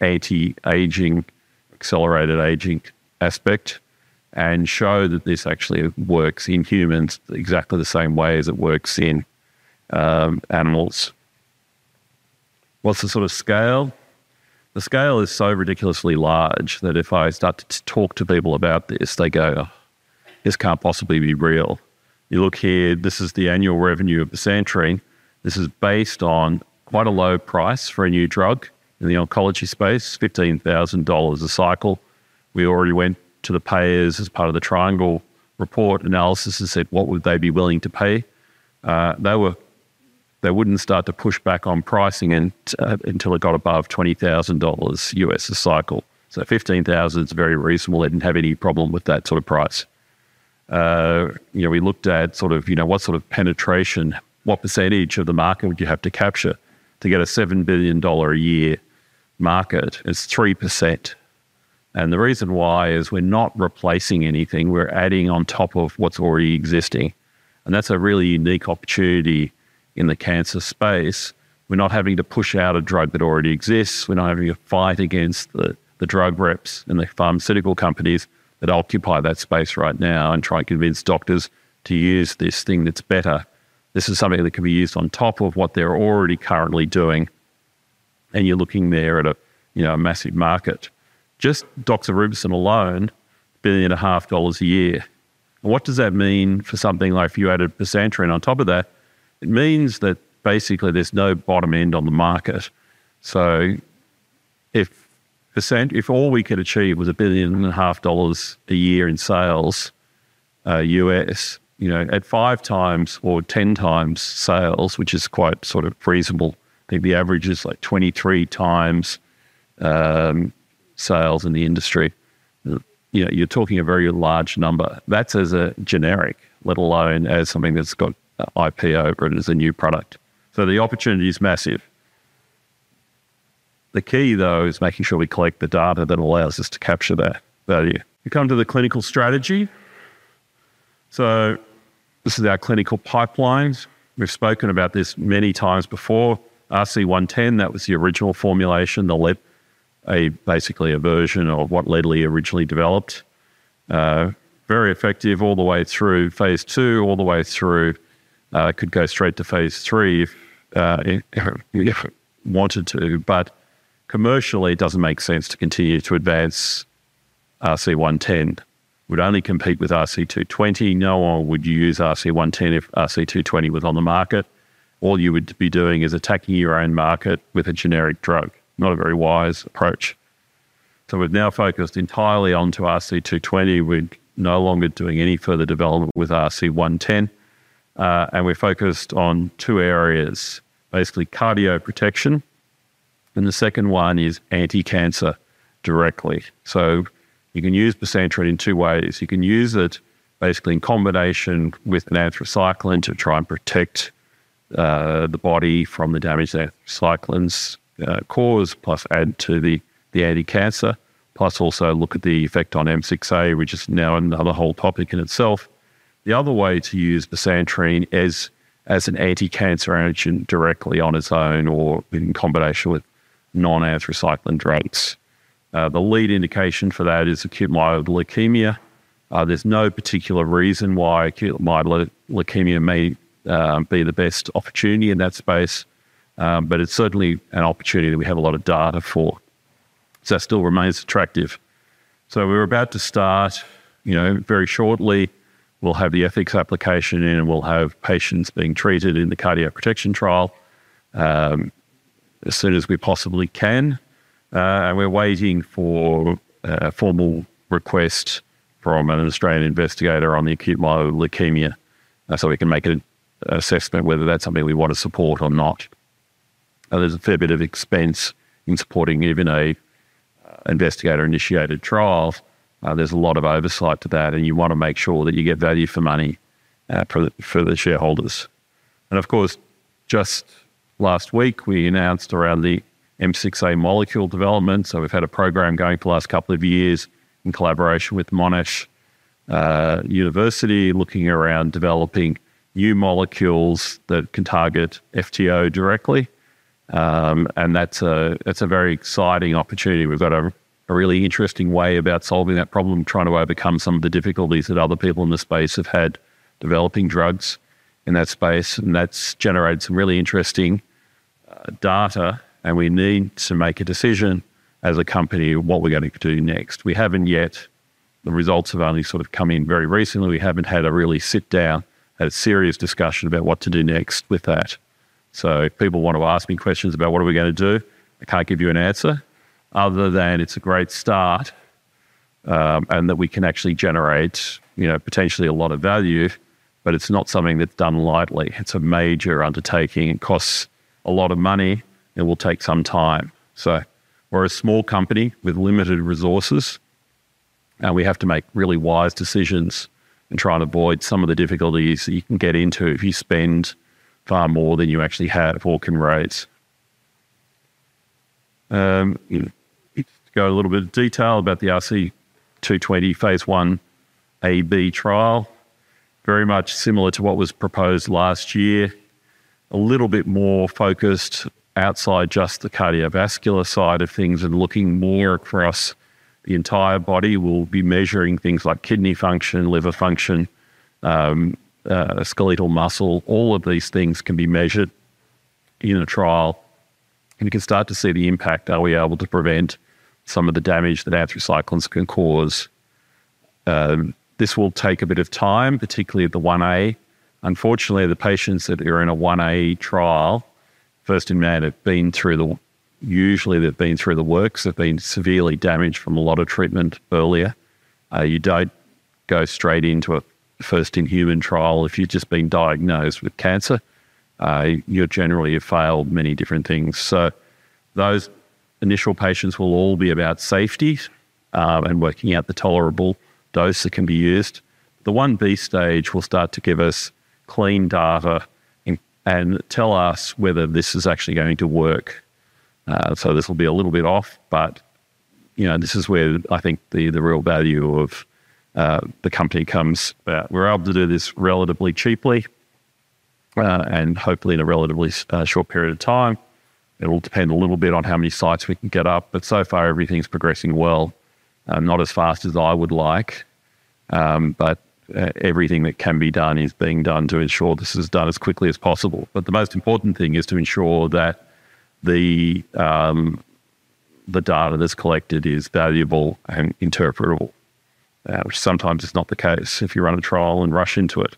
anti-aging, accelerated aging aspect and show that this actually works in humans exactly the same way as it works in animals. What's the sort of scale? The scale is so ridiculously large that if I start to talk to people about this, they go, "This can't possibly be real." You look here, this is the annual revenue of bisantrene. This is based on quite a low price for a new drug in the oncology space, $15,000 a cycle. We already went to the payers as part of the Triangle Report analysis and said, "What would they be willing to pay?" They wouldn't start to push back on pricing until it got above $20,000 a cycle. So $15,000 is very reasonable. They didn't have any problem with that sort of price. We looked at sort of what sort of penetration, what percentage of the market would you have to capture to get a $7 billion a year market? It's 3%. And the reason why is we're not replacing anything. We're adding on top of what's already existing. And that's a really unique opportunity in the cancer space. We're not having to push out a drug that already exists. We're not having to fight against the drug reps and the pharmaceutical companies that occupy that space right now and try and convince doctors to use this thing that's better. This is something that can be used on top of what they're already currently doing, and you're looking there at a massive market. Just doxorubicin alone, $1.5 billion a year. What does that mean for something like if you added the bisantrene on top of that? It means that basically there's no bottom end on the market. If all we could achieve was $1.5 billion a year in sales US, at 5 times or 10 times sales, which is quite sort of reasonable, I think the average is like 23 times sales in the industry, you're talking a very large number. That's as a generic, let alone as something that's got IP over it as a new product, so the opportunity is massive. The key, though, is making sure we collect the data that allows us to capture that value. We come to the clinical strategy. So this is our clinical pipelines. We've spoken about this many times before. RC110, that was the original formulation, the LIP, basically a version of what Lederle originally developed. Very effective all the way through phase II, all the way through could go straight to phase III if you wanted to. But commercially, it doesn't make sense to continue to advance RC110. We'd only compete with RC220. No one would use RC110 if RC220 was on the market. All you would be doing is attacking your own market with a generic drug, not a very wise approach. So we've now focused entirely onto RC220. We're no longer doing any further development with RC110. And we're focused on two areas, basically cardioprotection, and the second one is anti-cancer directly. So you can use the bisantrene in two ways. You can use it basically in combination with an anthracycline to try and protect the body from the damage that anthracyclines cause, plus add to the anti-cancer, plus also look at the effect on M6A, which is now another whole topic in itself. The other way to use the bisantrene is as an anti-cancer agent directly on its own or in combination with non-anthracycline drugs. The lead indication for that is acute myeloid leukemia. There's no particular reason why acute myeloid leukemia may be the best opportunity in that space, but it's certainly an opportunity that we have a lot of data for. So that still remains attractive. So we're about to start very shortly. We'll have the ethics application in, and we'll have patients being treated in the cardioprotection trial as soon as we possibly can. We're waiting for a formal request from an Australian investigator on the acute myeloid leukemia so we can make an assessment whether that's something we want to support or not. There's a fair bit of expense in supporting even an investigator-initiated trial. There's a lot of oversight to that, and you want to make sure that you get value for money for the shareholders. Of course, just last week, we announced around the M6A molecule development. We've had a program going for the last couple of years in collaboration with Monash University, looking around developing new molecules that can target FTO directly. That's a very exciting opportunity. We've got a really interesting way about solving that problem, trying to overcome some of the difficulties that other people in the space have had developing drugs in that space. That's generated some really interesting data. We need to make a decision as a company what we're going to do next. We haven't yet. The results have only sort of come in very recently. We haven't had a real sit-down, a serious discussion about what to do next with that. If people want to ask me questions about what are we going to do, I can't give you an answer other than it's a great start and that we can actually generate potentially a lot of value, but it's not something that's done lightly. It's a major undertaking. It costs a lot of money and will take some time. We're a small company with limited resources, and we have to make really wise decisions and try and avoid some of the difficulties that you can get into if you spend far more than you actually have or can raise. To go a little bit of detail about the RC220 phase Ia/Ib trial, very much similar to what was proposed last year, a little bit more focused outside just the cardiovascular side of things and looking more across the entire body. We'll be measuring things like kidney function, liver function, skeletal muscle. All of these things can be measured in a trial. And you can start to see the impact. Are we able to prevent some of the damage that anthracyclines can cause? This will take a bit of time, particularly the 1a. Unfortunately, the patients that are in a 1a trial, first-in-man, have been through the usual. They've been through the works, have been severely damaged from a lot of treatment earlier. You don't go straight into a first-in-human trial if you've just been diagnosed with cancer. You generally have failed many different things. So those initial patients will all be about safety and working out the tolerable dose that can be used. The 1b stage will start to give us clean data and tell us whether this is actually going to work. So this will be a little bit off, but this is where I think the real value of the company comes. We're able to do this relatively cheaply and hopefully in a relatively short period of time. It'll depend a little bit on how many sites we can get up, but so far everything's progressing well, not as fast as I would like. But everything that can be done is being done to ensure this is done as quickly as possible. But the most important thing is to ensure that the data that's collected is valuable and interpretable, which sometimes is not the case if you run a trial and rush into it.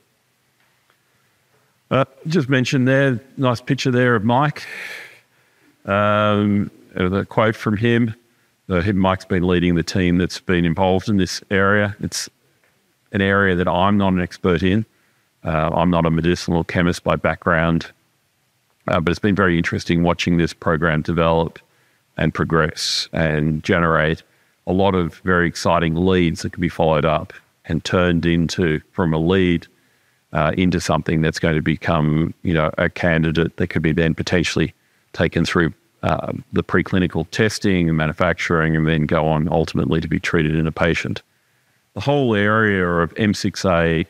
Just mentioned there, nice picture there of Mike. It was a quote from him. Mike's been leading the team that's been involved in this area. It's an area that I'm not an expert in. I'm not a medicinal chemist by background, but it's been very interesting watching this program develop and progress and generate a lot of very exciting leads that can be followed up and turned into from a lead into something that's going to become a candidate that could be then potentially taken through the preclinical testing and manufacturing and then go on ultimately to be treated in a patient. The whole area of M6A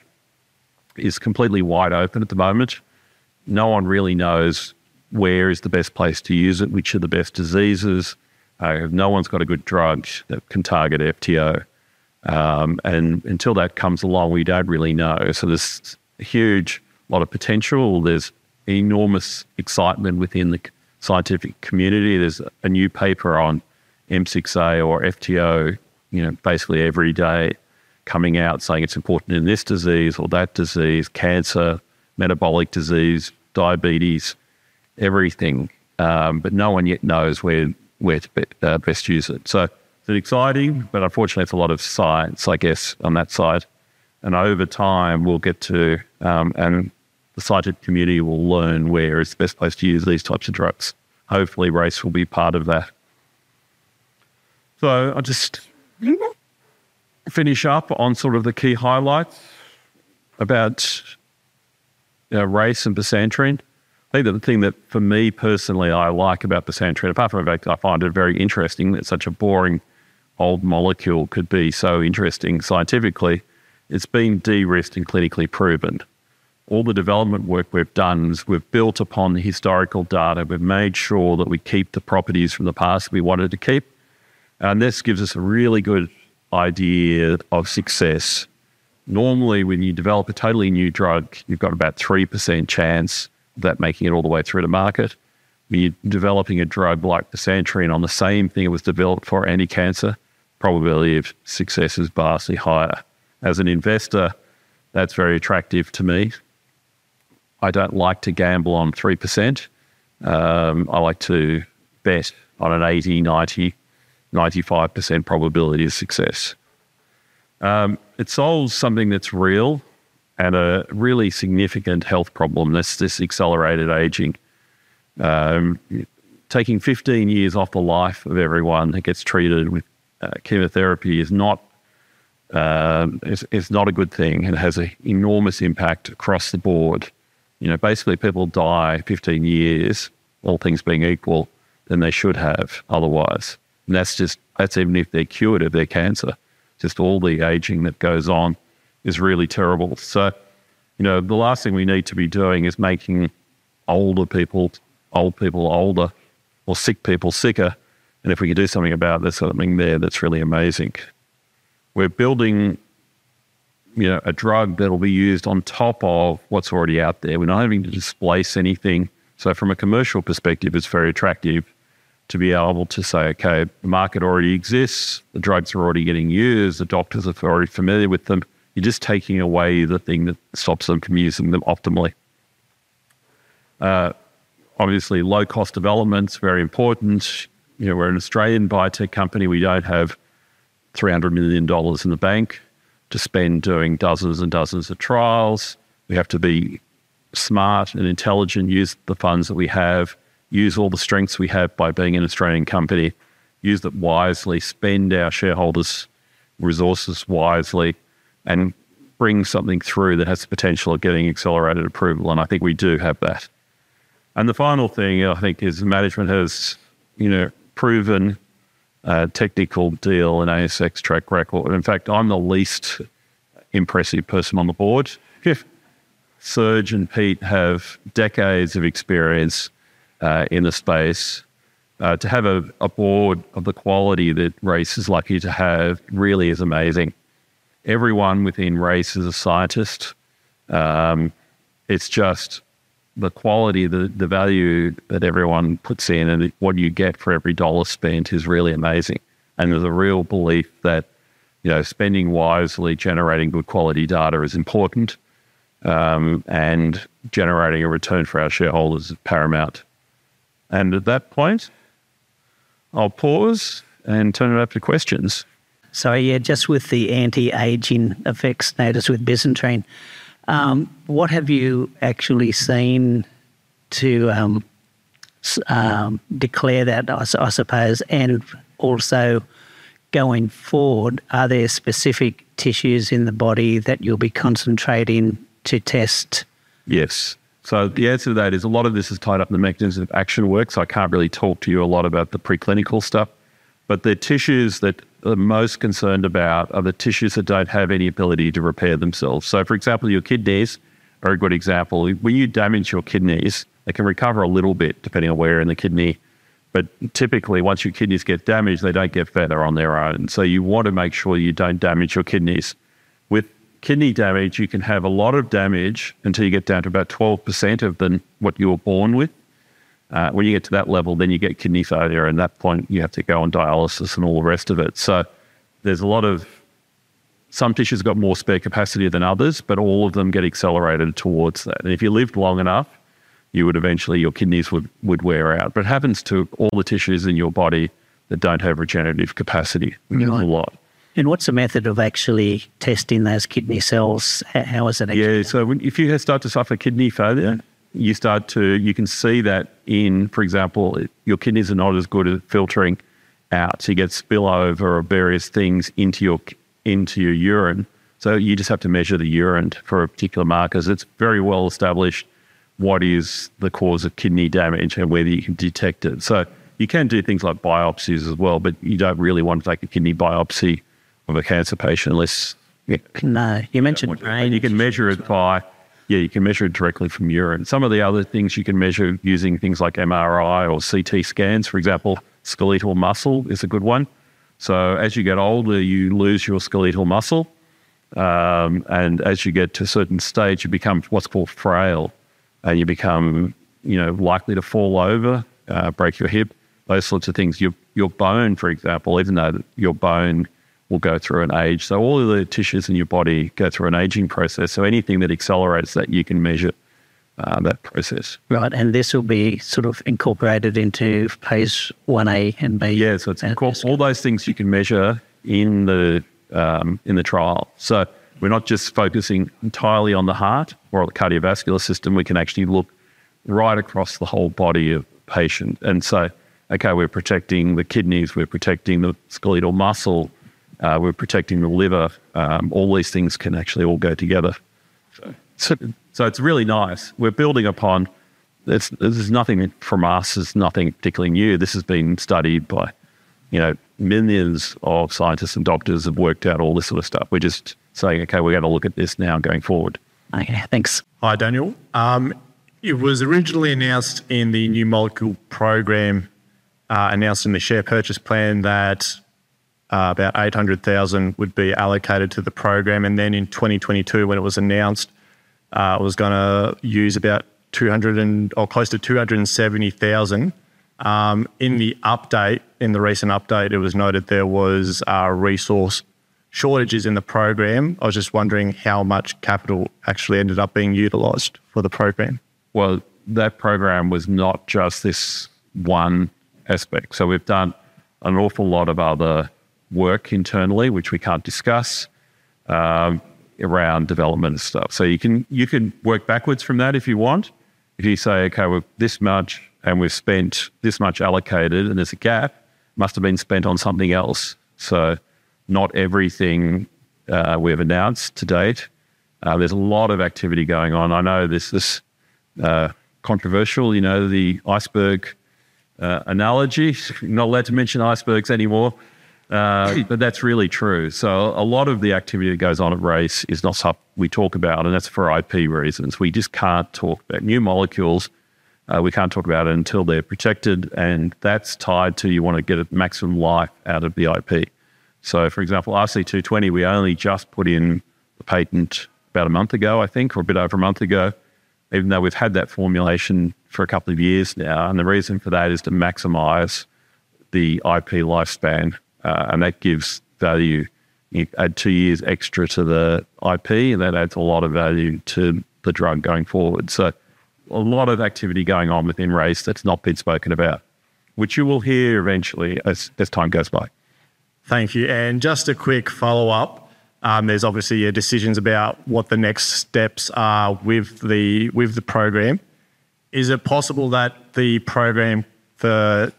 is completely wide open at the moment. No one really knows where is the best place to use it, which are the best diseases. No one's got a good drug that can target FTO. And until that comes along, we don't really know. So there's a huge lot of potential. There's enormous excitement within the scientific community. There's a new paper on M6A or FTO basically every day coming out saying it's important in this disease or that disease, cancer, metabolic disease, diabetes, everything. But no one yet knows where to best use it. So it's exciting, but unfortunately, it's a lot of science, I guess, on that side. And over time, we'll get to and the scientific community will learn where is the best place to use these types of drugs. Hopefully, Race will be part of that. So I'll just finish up on sort of the key highlights about Race and the strategy. I think that the thing that for me personally, I like about the bisantrene, apart from the fact I find it very interesting that such a boring old molecule could be so interesting scientifically, it's been de-risked and clinically proven. All the development work we've done is we've built upon the historical data. We've made sure that we keep the properties from the past we wanted to keep, and this gives us a really good idea of success. Normally, when you develop a totally new drug, you've got about 3% chance of that making it all the way through the market. When you're developing a drug like the bisantrene on the same thing it was developed for, anti-cancer, probability of success is vastly higher. As an investor, that's very attractive to me. I don't like to gamble on 3%. I like to bet on an 80%, 90%, 95% probability of success. It solves something that's real and a really significant health problem. That's this accelerated aging. Taking 15 years off the life of everyone that gets treated with chemotherapy is not a good thing and has an enormous impact across the board. Basically, people die 15 years, all things being equal, than they should have otherwise, and that's even if they're cured of their cancer. Just all the aging that goes on is really terrible, so the last thing we need to be doing is making older people, old people older or sick people sicker, and if we can do something about this, I think that's really amazing. We're building a drug that'll be used on top of what's already out there. We're not having to displace anything. From a commercial perspective, it's very attractive to be able to say, "Okay, the market already exists. The drugs are already getting used. The doctors are very familiar with them." You're just taking away the thing that stops them from using them optimally. Obviously, low-cost development is very important. We're an Australian biotech company. We don't have 300 million dollars in the bank to spend doing dozens and dozens of trials. We have to be smart and intelligent, use the funds that we have, use all the strengths we have by being an Australian company, use that wisely, spend our shareholders' resources wisely, and bring something through that has the potential of getting accelerated approval. And I think we do have that. And the final thing I think is management has proven technical deal and ASX track record. In fact, I'm the least impressive person on the board. Serge and Pete have decades of experience in the space. To have a board of the quality that Race is lucky to have really is amazing. Everyone within Race is a scientist. It's just the quality, the value that everyone puts in, and what you get for every dollar spent is really amazing. And there's a real belief that spending wisely, generating good quality data is important and generating a return for our shareholders is paramount. And at that point, I'll pause and turn it up to questions. So yeah, just with the anti-aging effects noticed with bisantrene, what have you actually seen to declare that, I suppose, and also going forward, are there specific tissues in the body that you'll be concentrating to test? Yes. So the answer to that is a lot of this is tied up in the mechanism of action work. I can't really talk to you a lot about the preclinical stuff, but the tissues that I'm most concerned about are the tissues that don't have any ability to repair themselves. For example, your kidneys are a good example. When you damage your kidneys, they can recover a little bit depending on where in the kidney. But typically, once your kidneys get damaged, they don't get better on their own. You want to make sure you don't damage your kidneys. With kidney damage, you can have a lot of damage until you get down to about 12% of what you were born with. When you get to that level, then you get kidney failure. At that point, you have to go on dialysis and all the rest of it. So there's a lot of some tissues got more spare capacity than others, but all of them get accelerated towards that. And if you lived long enough, you would eventually, your kidneys would wear out. But it happens to all the tissues in your body that don't have regenerative capacity a lot. And what's the method of actually testing those kidney cells? How is that? Yeah. So if you start to suffer kidney failure, you start to, you can see that in, for example, your kidneys are not as good at filtering out. So you get spillover of various things into your urine. So you just have to measure the urine for a particular marker. It's very well established what is the cause of kidney damage and whether you can detect it. So you can do things like biopsies as well, but you don't really want to take a kidney biopsy of a cancer patient unless you mentioned brain. You can measure it by, yeah, you can measure it directly from urine. Some of the other things you can measure using things like MRI or CT scans, for example, skeletal muscle is a good one. So as you get older, you lose your skeletal muscle. And as you get to a certain stage, you become what's called frail. And you become likely to fall over, break your hip, those sorts of things. Your bone, for example, even though your bone will go through an age. So all of the tissues in your body go through an aging process. So anything that accelerates that, you can measure that process. Right. And this will be sort of incorporated into phase Ia and Ib. Yes. Of course, all those things you can measure in the trial, so we're not just focusing entirely on the heart or the cardiovascular system. We can actually look right across the whole body of the patient, and so, okay, we're protecting the kidneys, we're protecting the skeletal muscle, we're protecting the liver. All these things can actually all go together, so it's really nice. We're building upon. There's nothing from us, there's nothing particularly new. This has been studied by millions of scientists and doctors who have worked out all this sort of stuff. We're just saying, okay, we're going to look at this now going forward. Thanks. Hi, Daniel. It was originally announced in the new molecule program, announced in the share purchase plan, that about 800,000 would be allocated to the program. And then in 2022, when it was announced, it was going to use about 200 or close to 270,000. In the update, in the recent update, it was noted there were resource shortages in the program. I was just wondering how much capital actually ended up being utilized for the program. Well, that program was not just this one aspect. So we've done an awful lot of other work internally, which we can't discuss around development and stuff. So you can work backwards from that if you want. If you say, okay, we're this much and we've spent this much allocated and there's a gap, must have been spent on something else. So not everything we've announced to date. There's a lot of activity going on. I know this is controversial, the iceberg analogy. Not allowed to mention icebergs anymore, but that's really true. A lot of the activity that goes on at Race is not stuff we talk about, and that's for IP reasons. We just can't talk about new molecules. We can't talk about it until they're protected. And that's tied to you want to get maximum life out of the IP. For example, RC220, we only just put in the patent about a month ago, I think, or a bit over a month ago, even though we've had that formulation for a couple of years now. And the reason for that is to maximize the IP lifespan. And that gives value, add two years extra to the IP, and that adds a lot of value to the drug going forward. A lot of activity going on within Race that's not been spoken about, which you will hear eventually as time goes by. Thank you. Just a quick follow-up. There's obviously your decisions about what the next steps are with the program. Is it possible that the program for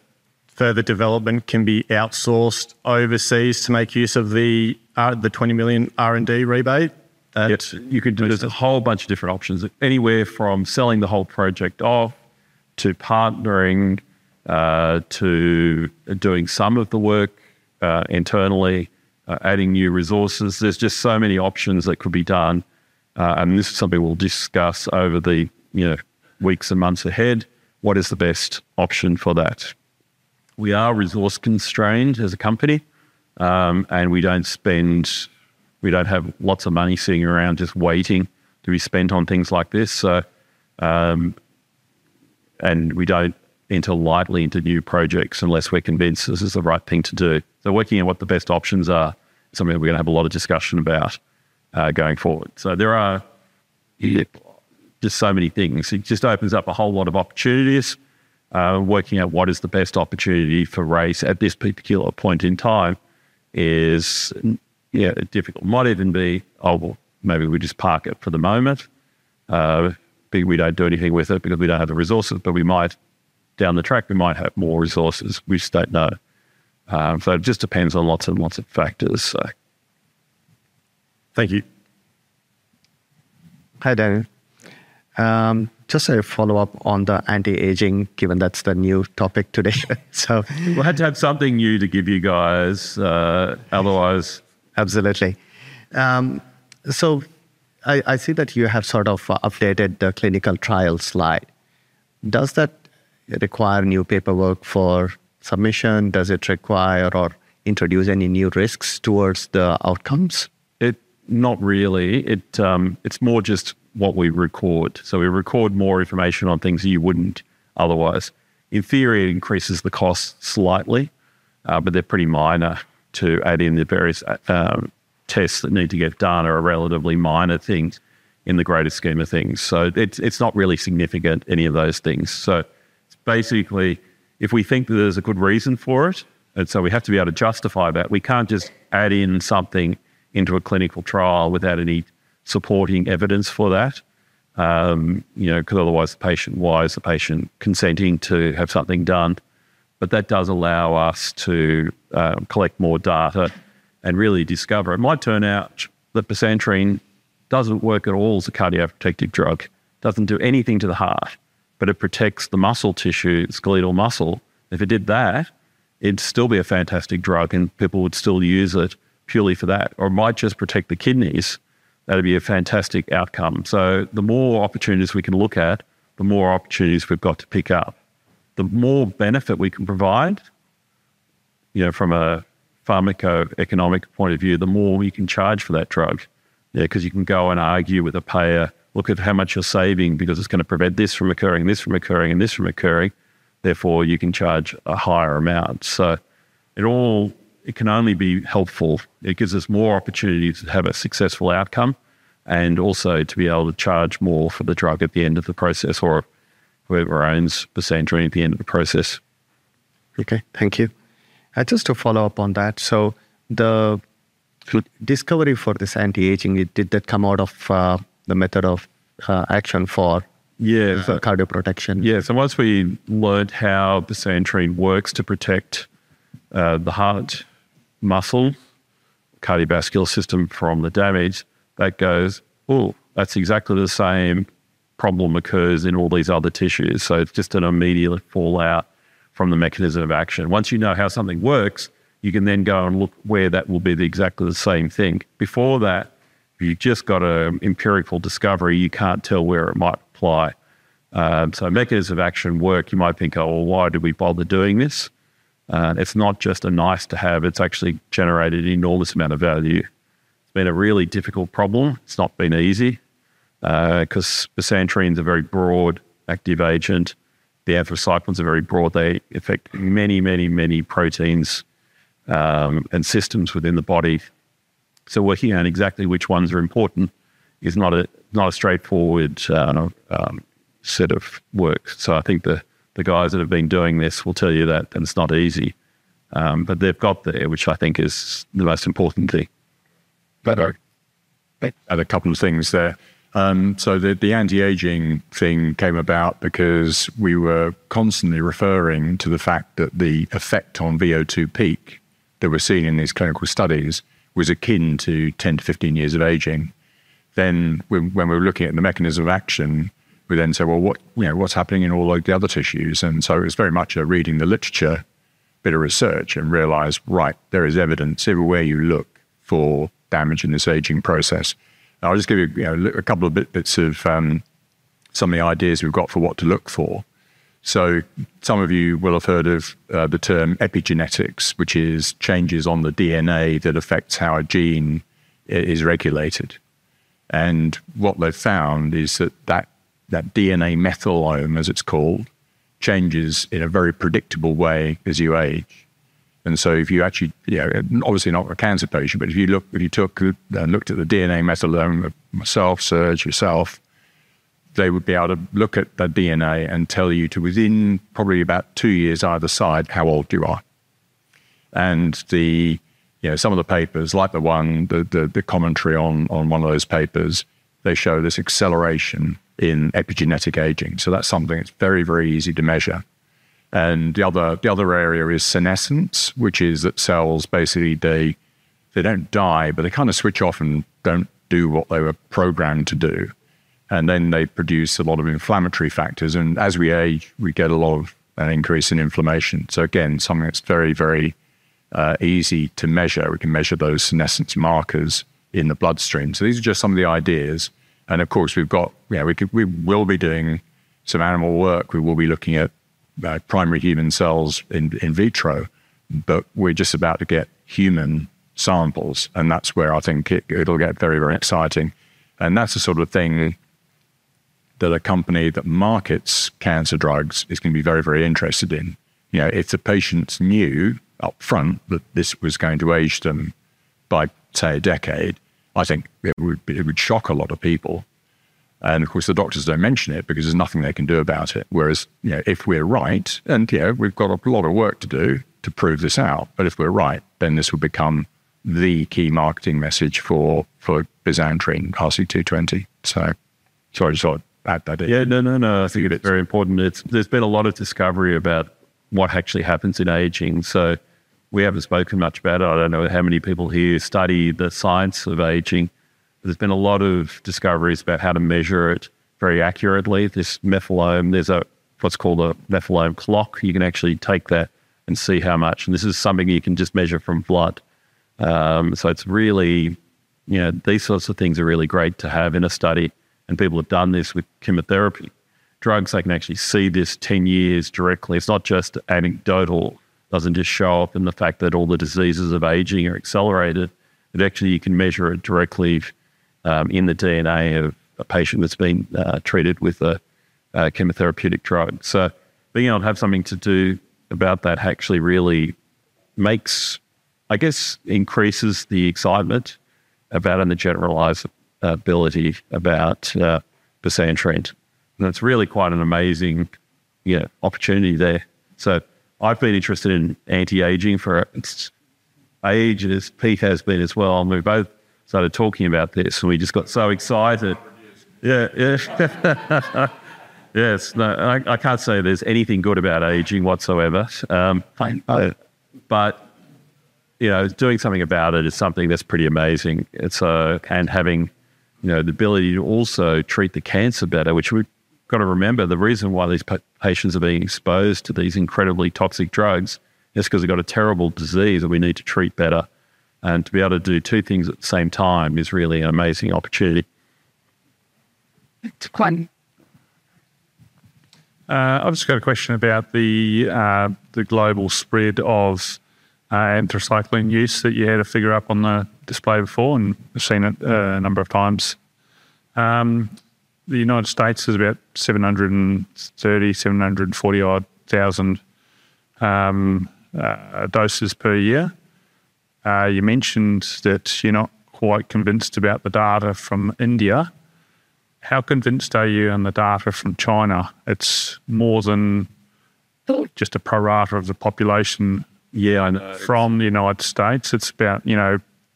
further development can be outsourced overseas to make use of the 20 million R&D rebate? Yes. You could do a whole bunch of different options, anywhere from selling the whole project off to partnering to doing some of the work internally, adding new resources. There's just so many options that could be done. This is something we'll discuss over the weeks and months ahead. What is the best option for that? We are resource-constrained as a company, and we don't spend, we don't have lots of money sitting around just waiting to be spent on things like this. We don't enter lightly into new projects unless we're convinced this is the right thing to do. So working on what the best options are is something we're going to have a lot of discussion about going forward. So there are just so many things. It just opens up a whole lot of opportunities. Working out what is the best opportunity for Race at this particular point in time is difficult. Might even be, oh, well, maybe we just park it for the moment. We don't do anything with it because we don't have the resources, but we might, down the track, we might have more resources. We just don't know. So it just depends on lots and lots of factors. Thank you. Hi, Daniel. Just a follow-up on the anti-aging, given that's the new topic today. So we'll have to have something new to give you guys. Otherwise, absolutely. So I see that you have sort of updated the clinical trial slide. Does that require new paperwork for submission? Does it require or introduce any new risks towards the outcomes? Not really. It's more just what we record. So we record more information on things that you wouldn't otherwise. In theory, it increases the cost slightly, but they're pretty minor to add in the various tests that need to get done or relatively minor things in the greater scheme of things. So it's not really significant, any of those things. So it's basically, if we think that there's a good reason for it, and so we have to be able to justify that, we can't just add in something into a clinical trial without any supporting evidence for that, because otherwise, patient-wise, the patient consenting to have something done. But that does allow us to collect more data and really discover. It might turn out that bisantrene doesn't work at all as a cardiac protective drug. It doesn't do anything to the heart, but it protects the muscle tissue, skeletal muscle. If it did that, it'd still be a fantastic drug, and people would still use it purely for that, or it might just protect the kidneys. That would be a fantastic outcome. So the more opportunities we can look at, the more opportunities we've got to pick up. The more benefit we can provide from a pharmacoeconomic point of view, the more we can charge for that drug. Because you can go and argue with a payer, look at how much you're saving because it's going to prevent this from occurring, this from occurring, and this from occurring. Therefore, you can charge a higher amount. So it can only be helpful. It gives us more opportunities to have a successful outcome and also to be able to charge more for the drug at the end of the process or whoever owns bisantrene at the end of the process. Okay. Thank you. Just to follow up on that. So the discovery for this anti-aging, did that come out of the method of action for cardioprotection? Yeah. So once we learned how bisantrene works to protect the heart, muscle, cardiovascular system from the damage, that goes, oh, that's exactly the same problem occurs in all these other tissues. So it's just an immediate fallout from the mechanism of action. Once you know how something works, you can then go and look where that will be exactly the same thing. Before that, you've just got an empirical discovery. You can't tell where it might apply. So mechanisms of action work. You might think, oh, well, why did we bother doing this? It's not just a nice to have. It's actually generated an enormous amount of value. It's been a really difficult problem. It's not been easy because bisantrene is a very broad active agent. The anthracyclines are very broad. They affect many, many, many proteins and systems within the body. So working on exactly which ones are important is not a straightforward set of work. So I think the guys that have been doing this will tell you that it's not easy, but they've got there, which I think is the most important thing. But I have a couple of things there. So the anti-aging thing came about because we were constantly referring to the fact that the effect on VO2 peak that we're seeing in these clinical studies was akin to 10 to 15 years of aging. Then when we were looking at the mechanism of action, we then said, well, what's happening in all the other tissues? And so it was very much a reading the literature, a bit of research, and realized, right, there is evidence everywhere you look for damage in this aging process. I'll just give you a couple of bits of some of the ideas we've got for what to look for. So some of you will have heard of the term epigenetics, which is changes on the DNA that affect how a gene is regulated. And what they've found is that that DNA methylome, as it's called, changes in a very predictable way as you age. If you actually, obviously not a cancer patient, but if you looked at the DNA methylome of myself, Serge, yourself, they would be able to look at that DNA and tell you to within probably about two years, either side, how old you are. Some of the papers, like the one, the commentary on one of those papers, they show this acceleration in epigenetic aging. That's something that's very, very easy to measure. The other area is senescence, which is that cells basically, they don't die, but they kind of switch off and don't do what they were programmed to do. Then they produce a lot of inflammatory factors. As we age, we get a lot of an increase in inflammation. Again, something that's very, very easy to measure. We can measure those senescence markers in the bloodstream. These are just some of the ideas. And of course, we've got, we will be doing some animal work. We will be looking at primary human cells in vitro, but we're just about to get human samples. And that's where I think it'll get very, very exciting. And that's the sort of thing that a company that markets cancer drugs is going to be very, very interested in. If the patients knew upfront that this was going to age them by, say, a decade, I think it would shock a lot of people. And of course, the doctors don't mention it because there's nothing they can do about it. Whereas if we're right, and we've got a lot of work to do to prove this out, but if we're right, then this will become the key marketing message for bisantrene RC220. So sorry to add that in. Yeah, no, no, no. I think it's very important. There's been a lot of discovery about what actually happens in aging, so we haven't spoken much about it. I don't know how many people here study the science of aging. There's been a lot of discoveries about how to measure it very accurately. This methylome, there's what's called a methylome clock. You can actually take that and see how much, and this is something you can just measure from blood, so it's really, these sorts of things are really great to have in a study, and people have done this with chemotherapy drugs. I can actually see this 10 years directly. It's not just anecdotal. It doesn't just show up in the fact that all the diseases of aging are accelerated. But actually, you can measure it directly in the DNA of a patient that's been treated with a chemotherapeutic drug. So being able to have something to do about that actually really makes, I guess, increases the excitement about and the generalizability about bisantrene. And it's really quite an amazing opportunity there. So I've been interested in anti-aging for ages. Pete has been as well. And we both started talking about this, and we just got so excited. Yeah, yeah. Yes. I can't say there's anything good about aging whatsoever. But doing something about it is something that's pretty amazing. And having the ability to also treat the cancer better, which we've got to remember, the reason why these patients are being exposed to these incredibly toxic drugs is because they've got a terrible disease that we need to treat better. And to be able to do two things at the same time is really an amazing opportunity. I've just got a question about the global spread of anthracycline use that you had to figure out on the display before, and we've seen it a number of times. The United States is about 730-740-odd thousand doses per year. You mentioned that you're not quite convinced about the data from India. How convinced are you on the data from China? It's more than just a pro-rata of the population. Yeah, I know. From the United States, it's about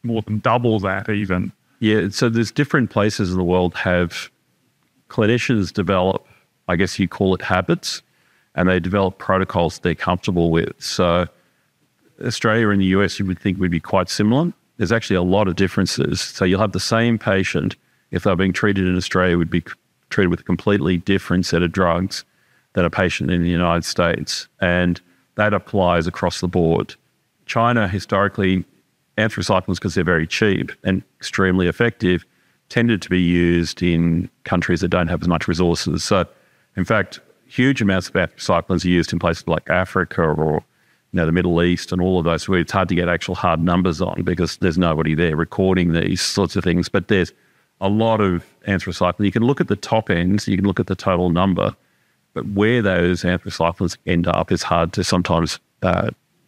more than double that even. Yeah. So there's different places in the world have clinicians develop, I guess you call it habits, and they develop protocols they're comfortable with. So Australia and the U.S., you would think would be quite similar. There's actually a lot of differences. You'll have the same patient, if they're being treated in Australia, would be treated with a completely different set of drugs than a patient in the United States. That applies across the board. China, historically, anthracycline because they're very cheap and extremely effective, tended to be used in countries that don't have as much resources. In fact, huge amounts of anthracycline are used in places like Africa or the Middle East and all of those where it's hard to get actual hard numbers on because there's nobody there recording these sorts of things. There's a lot of anthracycline. You can look at the top end. You can look at the total number. Where those anthracyclines end up is hard to sometimes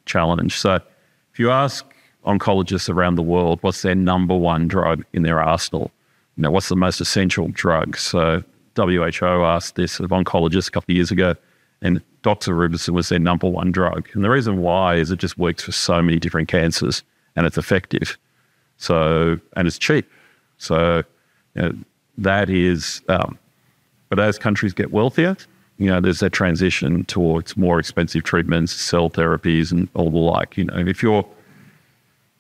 challenge. If you ask oncologists around the world, what's their number one drug in their arsenal? What's the most essential drug? So WHO asked this of oncologists a couple of years ago, and doxorubicin was their number one drug. And the reason why is it just works for so many different cancers, and it's effective. And it's cheap. So that is, but as countries get wealthier, there's a transition towards more expensive treatments, cell therapies and all the like. If you're,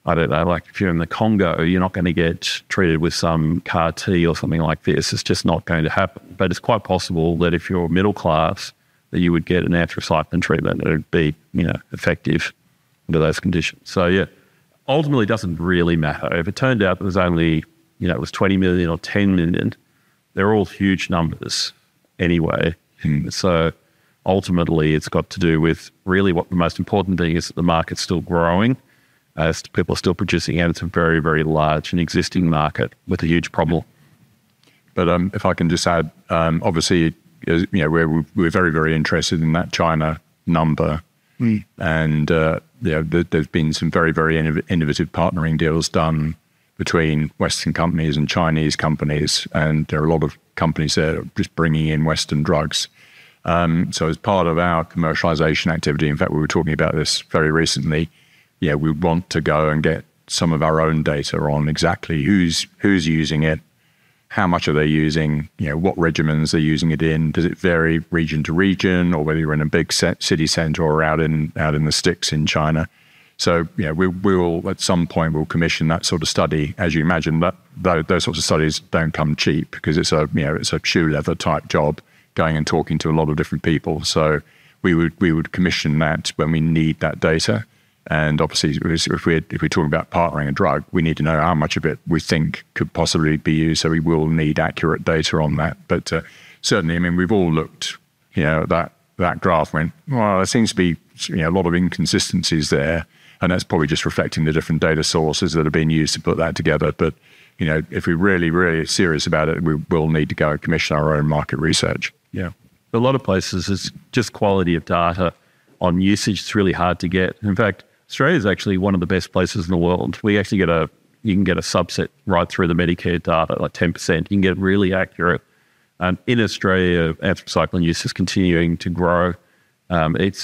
I don't know, like if you're in the Congo, you're not going to get treated with some CAR-T or something like this. It's just not going to happen. But it's quite possible that if you're middle class, that you would get an anthracycline treatment that would be effective under those conditions. So, yeah, ultimately, it doesn't really matter. If it turned out that it was only 20 million or 10 million, they're all huge numbers anyway. So ultimately, it's got to do with really what the most important thing is that the market's still growing, as people are still producing anthracyclines in a very, very large and existing market with a huge problem. But if I can just add, obviously, we're very, very interested in that China number. And there's been some very, very innovative partnering deals done between Western companies and Chinese companies. And there are a lot of companies that are just bringing in Western drugs. So as part of our commercialization activity, in fact, we were talking about this very recently, we want to go and get some of our own data on exactly who's using it, how much are they using, what regimens they're using it in, does it vary region to region, or whether you're in a big city center or out in the sticks in China. So at some point, we'll commission that sort of study. As you imagine, those sorts of studies don't come cheap because it's a shoe leather type job, going and talking to a lot of different people. So we would commission that when we need that data. And obviously, if we're talking about partnering a drug, we need to know how much of it we think could possibly be used. So we will need accurate data on that. But certainly, I mean, we've all looked at that graph and went, well, there seems to be a lot of inconsistencies there. And that's probably just reflecting the different data sources that have been used to put that together. But if we're really, really serious about it, we will need to go and commission our own market research. Yeah. A lot of places, it's just quality of data on usage. It's really hard to get. In fact, Australia is actually one of the best places in the world. We actually get a, you can get a subset right through the Medicare data, like 10%. You can get really accurate. In Australia, anthracycline use is continuing to grow. It's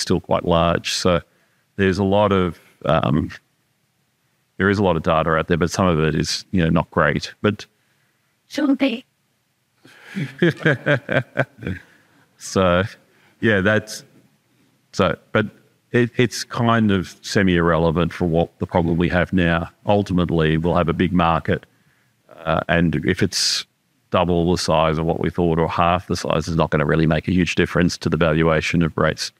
still quite large. So there is a lot of data out there, but some of it is not great. So, yeah, that's, but it's kind of semi-irrelevant for what the problem we have now. Ultimately, we'll have a big market. If it's double the size of what we thought or half the size, it's not going to really make a huge difference to the valuation of Race.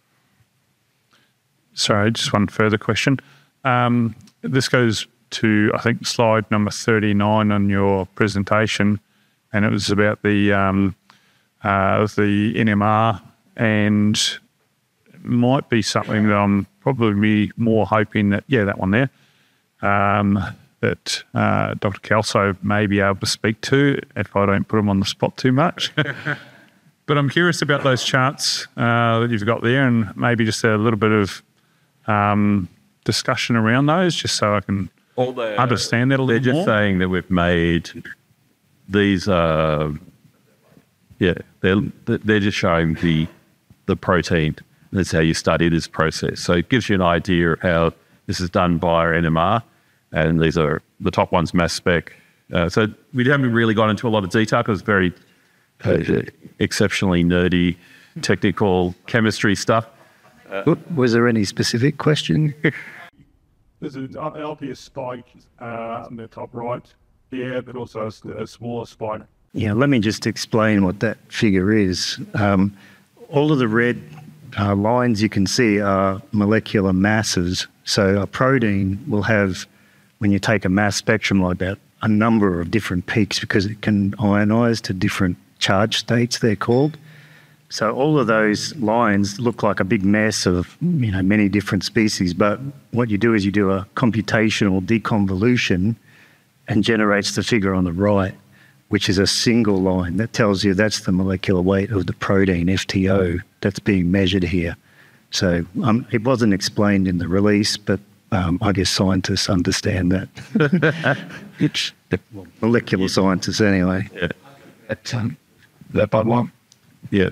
Sorry, just one further question. This goes to, I think, slide number 39 on your presentation. It was about the NMR. It might be something that I'm probably more hoping that, yeah, that one there, that Dr. Kelso may be able to speak to if I don't put him on the spot too much. I'm curious about those charts that you've got there and maybe just a little bit of discussion around those, just so I can understand that a little bit. They're just saying that we've made these, yeah, they're just showing the protein. That's how you study this process. It gives you an idea of how this is done by our NMR. These are the top ones, mass spec. We haven't really gone into a lot of detail because it's very exceptionally nerdy technical chemistry stuff. Was there any specific question? There's an obvious spike on the top right there, but also a smaller spike. Yeah, let me just explain what that figure is. All of the red lines you can see are molecular masses. So a protein will have, when you take a mass spectrum like that, a number of different peaks because it can ionize to different charge states, they're called. So all of those lines look like a big mess of many different species. But what you do is you do a computational deconvolution and generates the figure on the right, which is a single line that tells you that's the molecular weight of the protein FTO that's being measured here. So it wasn't explained in the release, but I guess scientists understand that. Molecular scientists anyway. Yeah. That bottom one. Yeah.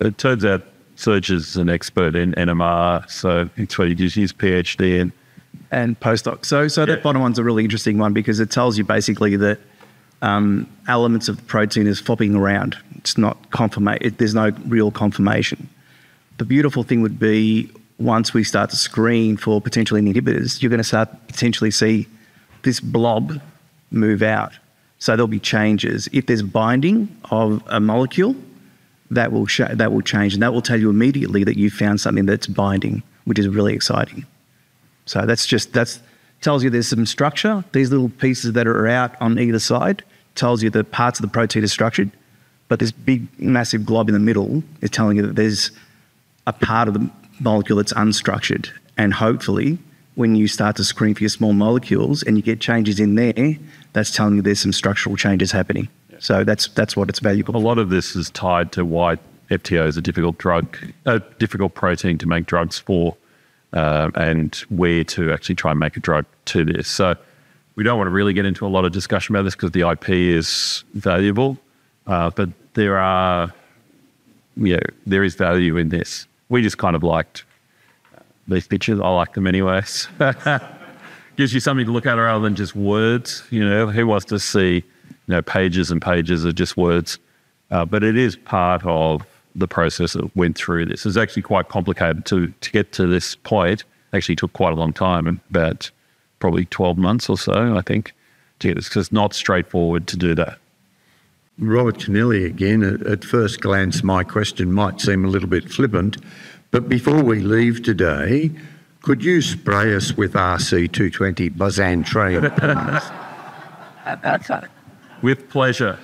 It turns out Serge is an expert in NMR. So he's PhD and postdoc. So that bottom one's a really interesting one because it tells you basically that elements of the protein are flipping around. It's not conformation. There's no real conformation. The beautiful thing would be once we start to screen for potentially inhibitors, you're going to start to potentially see this blob move out, so there'll be changes. If there's binding of a molecule, that will change, and that will tell you immediately that you found something that's binding, which is really exciting, so that tells you there's some structure. These little pieces that are out on either side tell you that parts of the protein are structured, but this big, massive glob in the middle is telling you that there's a part of the molecule that's unstructured, and hopefully, when you start to screen for your small molecules and you get changes in there, that's telling you there's some structural changes happening, so that's what it's valuable. A lot of this is tied to why FTO is a difficult drug, a difficult protein to make drugs for and where to actually try and make a drug to this. So we don't want to really get into a lot of discussion about this because the IP is valuable. But there is value in this. We just kind of liked these pictures. I like them anyway. Gives you something to look at rather than just words. Who wants to see pages and pages of just words? But it is part of the process that went through this. It was actually quite complicated to get to this point. It actually took quite a long time, about probably 12 months or so, I think, to get this. Because it's not straightforward to do that. Robert Canelli, again, at first glance, my question might seem a little bit flippant. But before we leave today, could you spray us with RC220 bisantrene? With pleasure.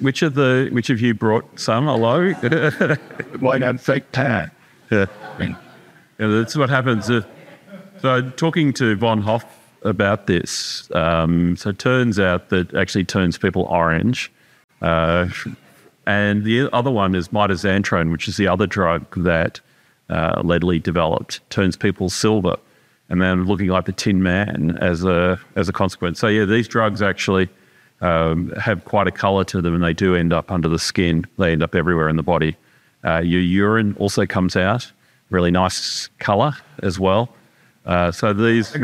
Which of you brought some? Hello? My name's Fake Tan. That's what happens. So talking to Von Hoff about this, so it turns out that actually turns people orange. And the other one is mitoxantrone, which is the other drug that Lederle developed, turns people silver. And then looking like the Tin Man as a consequence. So, yeah, these drugs actually have quite a color to them, and they do end up under the skin. They end up everywhere in the body. Your urine also comes out really nice color as well. So these. I'm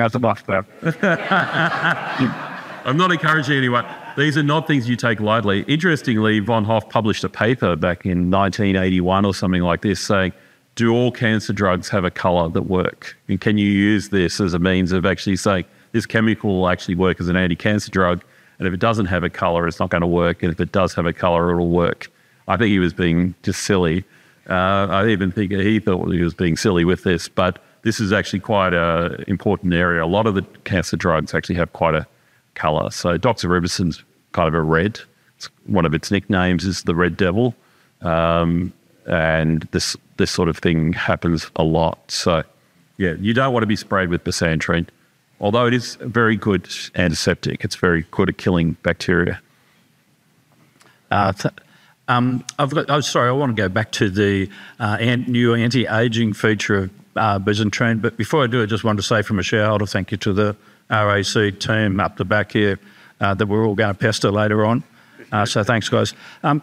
not encouraging anyone. These are not things you take lightly. Interestingly, Von Hoff published a paper back in 1981 or something like this saying, do all cancer drugs have a color that work? And can you use this as a means of actually saying, this chemical will actually work as an anti-cancer drug. And if it doesn't have a color, it's not going to work. And if it does have a color, it'll work. I think he was being just silly. I even think he thought he was being silly with this. But this is actually quite an important area. A lot of the cancer drugs actually have quite a color. So doxorubicin is kind of a red. One of its nicknames is the Red Devil. And this sort of thing happens a lot. So, yeah, you don't want to be sprayed with bisantrene. Although it is a very good antiseptic, it's very good at killing bacteria. I've got, sorry, I want to go back to the new anti-aging feature of bisantrene. But before I do, I just wanted to say from a shareholder thank you to the Race team up the back here that we're all going to pester later on. So thanks, guys.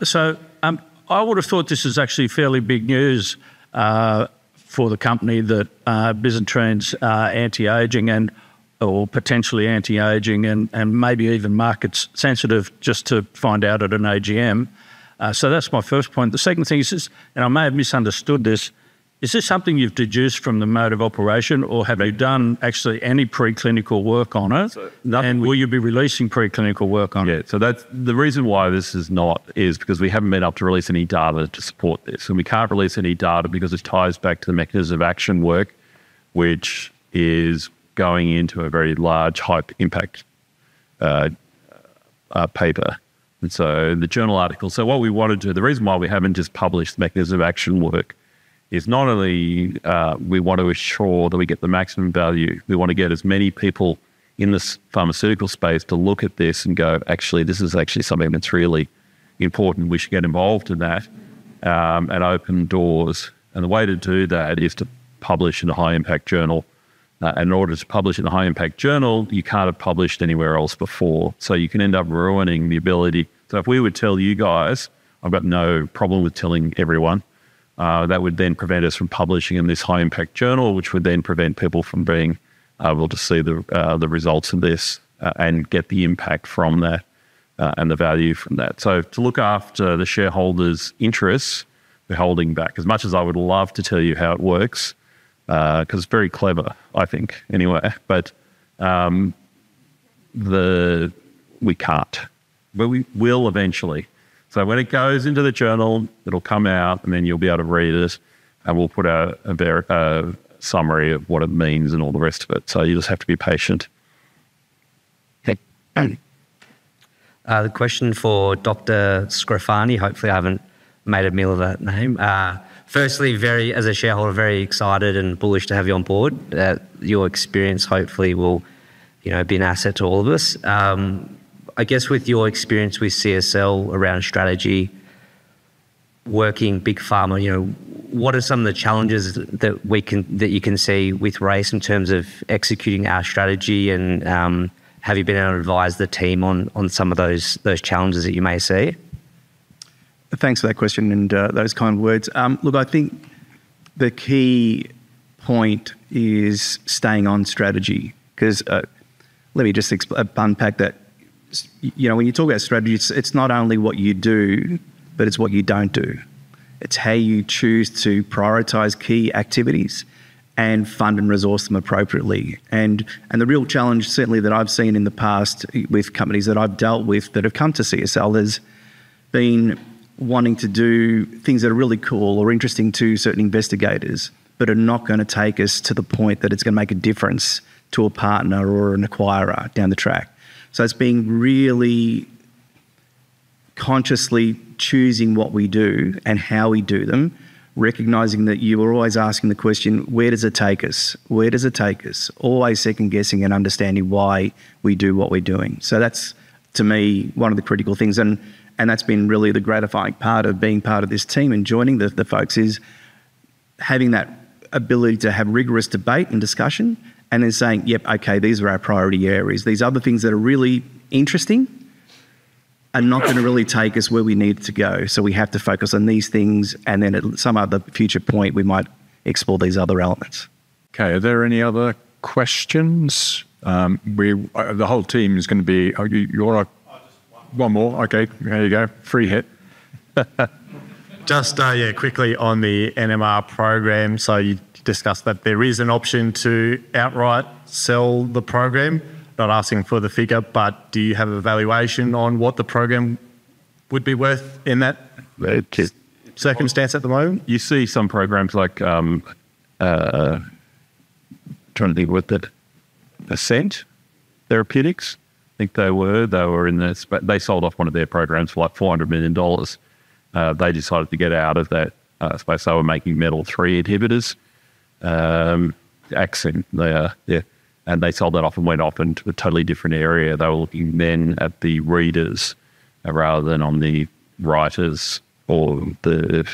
So I would have thought this is actually fairly big news for the company that bisantrenes are anti-aging and or potentially anti-aging and maybe even market-sensitive just to find out at an AGM. So that's my first point. The second thing is, and I may have misunderstood this, is this something you've deduced from the mode of operation or have you done actually any preclinical work on it? And will you be releasing preclinical workon it? Yeah. So that's the reason why this is not is because we haven't been able to release any data to support this. We can't release any data because it ties back to the mechanism of action work, which is going into a very large high impact paper. The journal article. So what we want to do, the reason why we haven't just published the mechanism of action work is not only we want to ensure that we get the maximum value, we want to get as many people in this pharmaceutical space to look at this and go, actually, this is actually something that's really important. We should get involved in that and open doors. The way to do that is to publish in a high-impact journal. In order to publish in a high-impact journal, you can't have published anywhere else before. So you can end up ruining the ability. So if we would tell you guys, I've got no problem with telling everyone, that would then prevent us from publishing in this high-impact journal, which would then prevent people from being able to see the results of this and get the impact from that and the value from that. So to look after the shareholders' interests, we're holding back. As much as I would love to tell you how it works, because it's very clever, I think, anyway. But we can't. But we will eventually. So when it goes into the journal, it'll come out and then you'll be able to read it. And we'll put a summary of what it means and all the rest of it. So you just have to be patient. The question for Dr. Scrofani, hopefully I haven't made a meal of that name. Firstly, as a shareholder, very excited and bullish to have you on board. Your experience, hopefully, will be an asset to all of us. I guess with your experience with CSL around strategy, working big pharma, what are some of the challenges that you can see with RACE in terms of executing our strategy? And have you been able to advise the team on some of those challenges that you may see? Thanks for that question and those kind words. Look, I think the key point is staying on strategy. Because let me just unpack that. When you talk about strategy, it's not only what you do, but it's what you don't do. It's how you choose to prioritize key activities and fund and resource them appropriately. The real challenge, certainly, that I've seen in the past with companies that I've dealt with that have come to CSL has been wanting to do things that are really cool or interesting to certain investigators, but are not going to take us to the point that it's going to make a difference to a partner or an acquirer down the track. So it's being really consciously choosing what we do and how we do them, recognizing that you are always asking the question, where does it take us? Where does it take us? Always second-guessing and understanding why we do what we're doing. So that's, to me, one of the critical things. And that's been really the gratifying part of being part of this team and joining the folks, is having that ability to have rigorous debate and discussion and then saying, yep, okay, these are our priority areas. These other things that are really interesting are not going to really take us where we need to go. So we have to focus on these things. And then at some other future point, we might explore these other elements. Okay. Are there any other questions? The whole team is going to be you want to. One more. Okay. There you go. Free hit. Just, yeah, quickly on the NMR program. So you discussed that there is an option to outright sell the program, not asking for the figure. But do you have evaluation on what the program would be worth in that circumstance at the moment? You see some programs like, I'm trying to think of what the Accent Therapeutics, I think they were. They were in this, but they sold off one of their programs for like $400 million. They decided to get out of that space. They were making METTL3 inhibitors and sold that off and went off into a totally different area. They were looking then at the readers rather than on the writers or the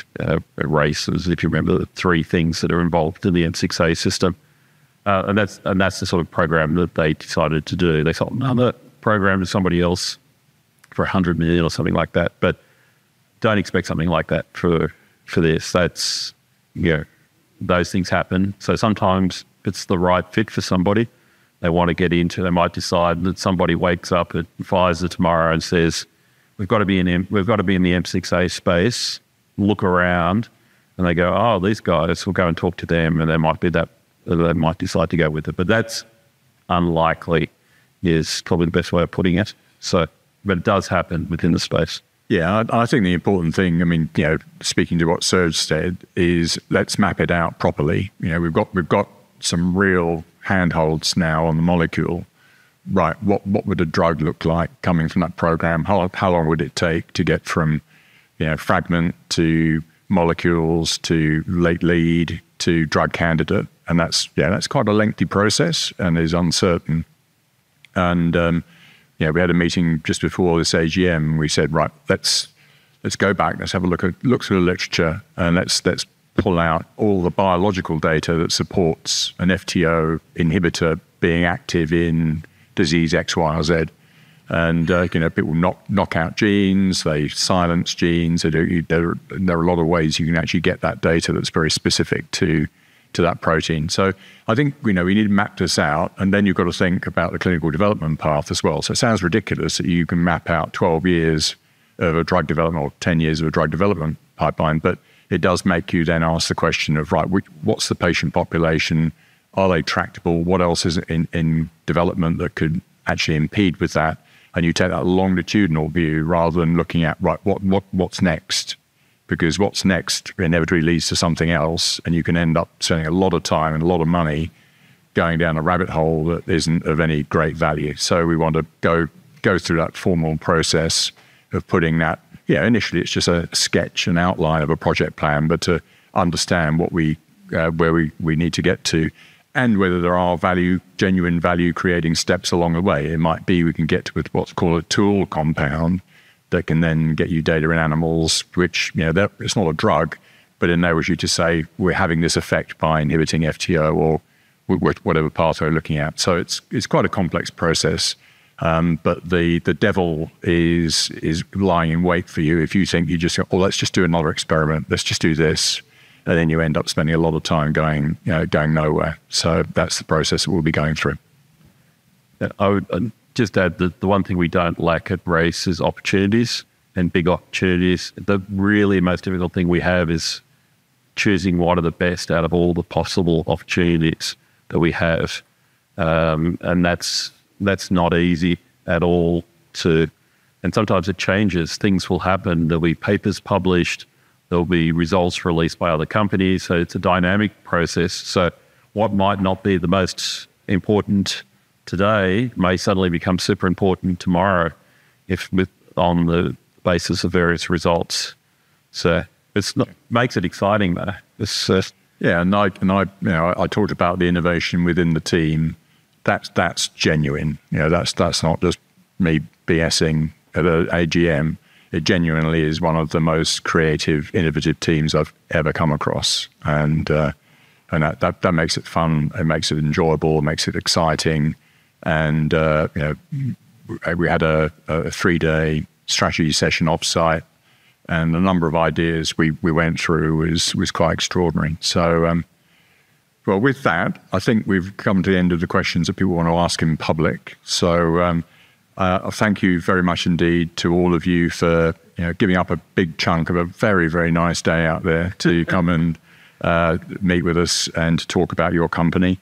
erasers, if you remember, the three things that are involved in the M6A system. That's the sort of program that they decided to do. They sold another program to somebody else for 100 million or something like that. But don't expect something like that for this. Those things happen. Sometimes it's the right fit for somebody they want to get into. They might decide that somebody wakes up at Pfizer tomorrow and says, "We've got to be in the M6A space, look around." And they go, "Oh, these guys, we'll go and talk to them." And there might be that they might decide to go with it. But that's unlikely is probably the best way of putting it. But it does happen within the space. Yeah. And I think the important thing, I mean, speaking to what Serge said, is let's map it out properly. We've got some real handholds now on the molecule. Right. What would a drug look like coming from that program? How long would it take to get from fragment to molecules to late lead to drug candidate? And that's quite a lengthy process and is uncertain. And we had a meeting just before this AGM, and we said, "Right, let's go back. Let's have a look at the literature, and let's pull out all the biological data that supports an FTO inhibitor being active in disease X, Y, or Z, and people knock out genes, they silence genes. There are a lot of ways you can actually get that data that's very specific to that protein. So I think we need to map this out, and then you've got to think about the clinical development path as well, so it sounds ridiculous that you can map out 12 years of a drug development or 10 years of a drug development pipeline, but it does make you then ask the question of, right, what's the patient population? Are they tractable? What else is in development that could actually impede with that, and you take that longitudinal view rather than looking at, right, what's next, because what's next inevitably leads to something else. You can end up spending a lot of time and a lot of money going down a rabbit hole that isn't of any great value. So we want to go through that formal process of putting that. Initially, it's just a sketch, an outline of a project plan, but to understand where we need to get to and whether there are genuine value-creating steps along the way. It might be we can get to what's called a tool compound that can then get you data in animals, which it's not a drug, but enables you to say, we're having this effect by inhibiting FTO or whatever path we're looking at. So it's quite a complex process. But the devil is lying in wait for you if you think you just go, oh, let's just do another experiment. Let's just do this. Then you end up spending a lot of time going nowhere. That's the process that we'll be going through. Just that the one thing we don't like at RACE is opportunities and big opportunities. The really most difficult thing we have is choosing what are the best out of all the possible opportunities that we have. That's not easy at all. Sometimes it changes. Things will happen. There'll be papers published. There'll be results released by other companies. It's a dynamic process. What might not be the most important today may suddenly become super important tomorrow on the basis of various results. It makes it exciting, though. Yeah. I talked about the innovation within the team. That's genuine. That's not just me BSing at an AGM. It genuinely is one of the most creative, innovative teams I've ever come across. And that makes it fun. It makes it enjoyable. It makes it exciting. And we had a three-day strategy session offsite. And the number of ideas we went through was quite extraordinary. So, well, with that, I think we've come to the end of the questions that people want to ask in public. So I thank you very much indeed to all of you for giving up a big chunk of a very, very nice day out there to come and meet with us and talk about your company.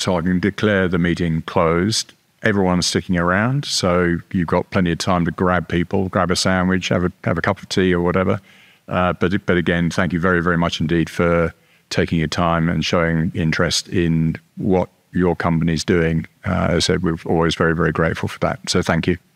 So I can declare the meeting closed. Everyone's sticking around. So you've got plenty of time to grab people, grab a sandwich, have a cup of tea or whatever. But again, thank you very, very much indeed for taking your time and showing interest in what your company's doing. As I said, we're always very, very grateful for that. Thank you.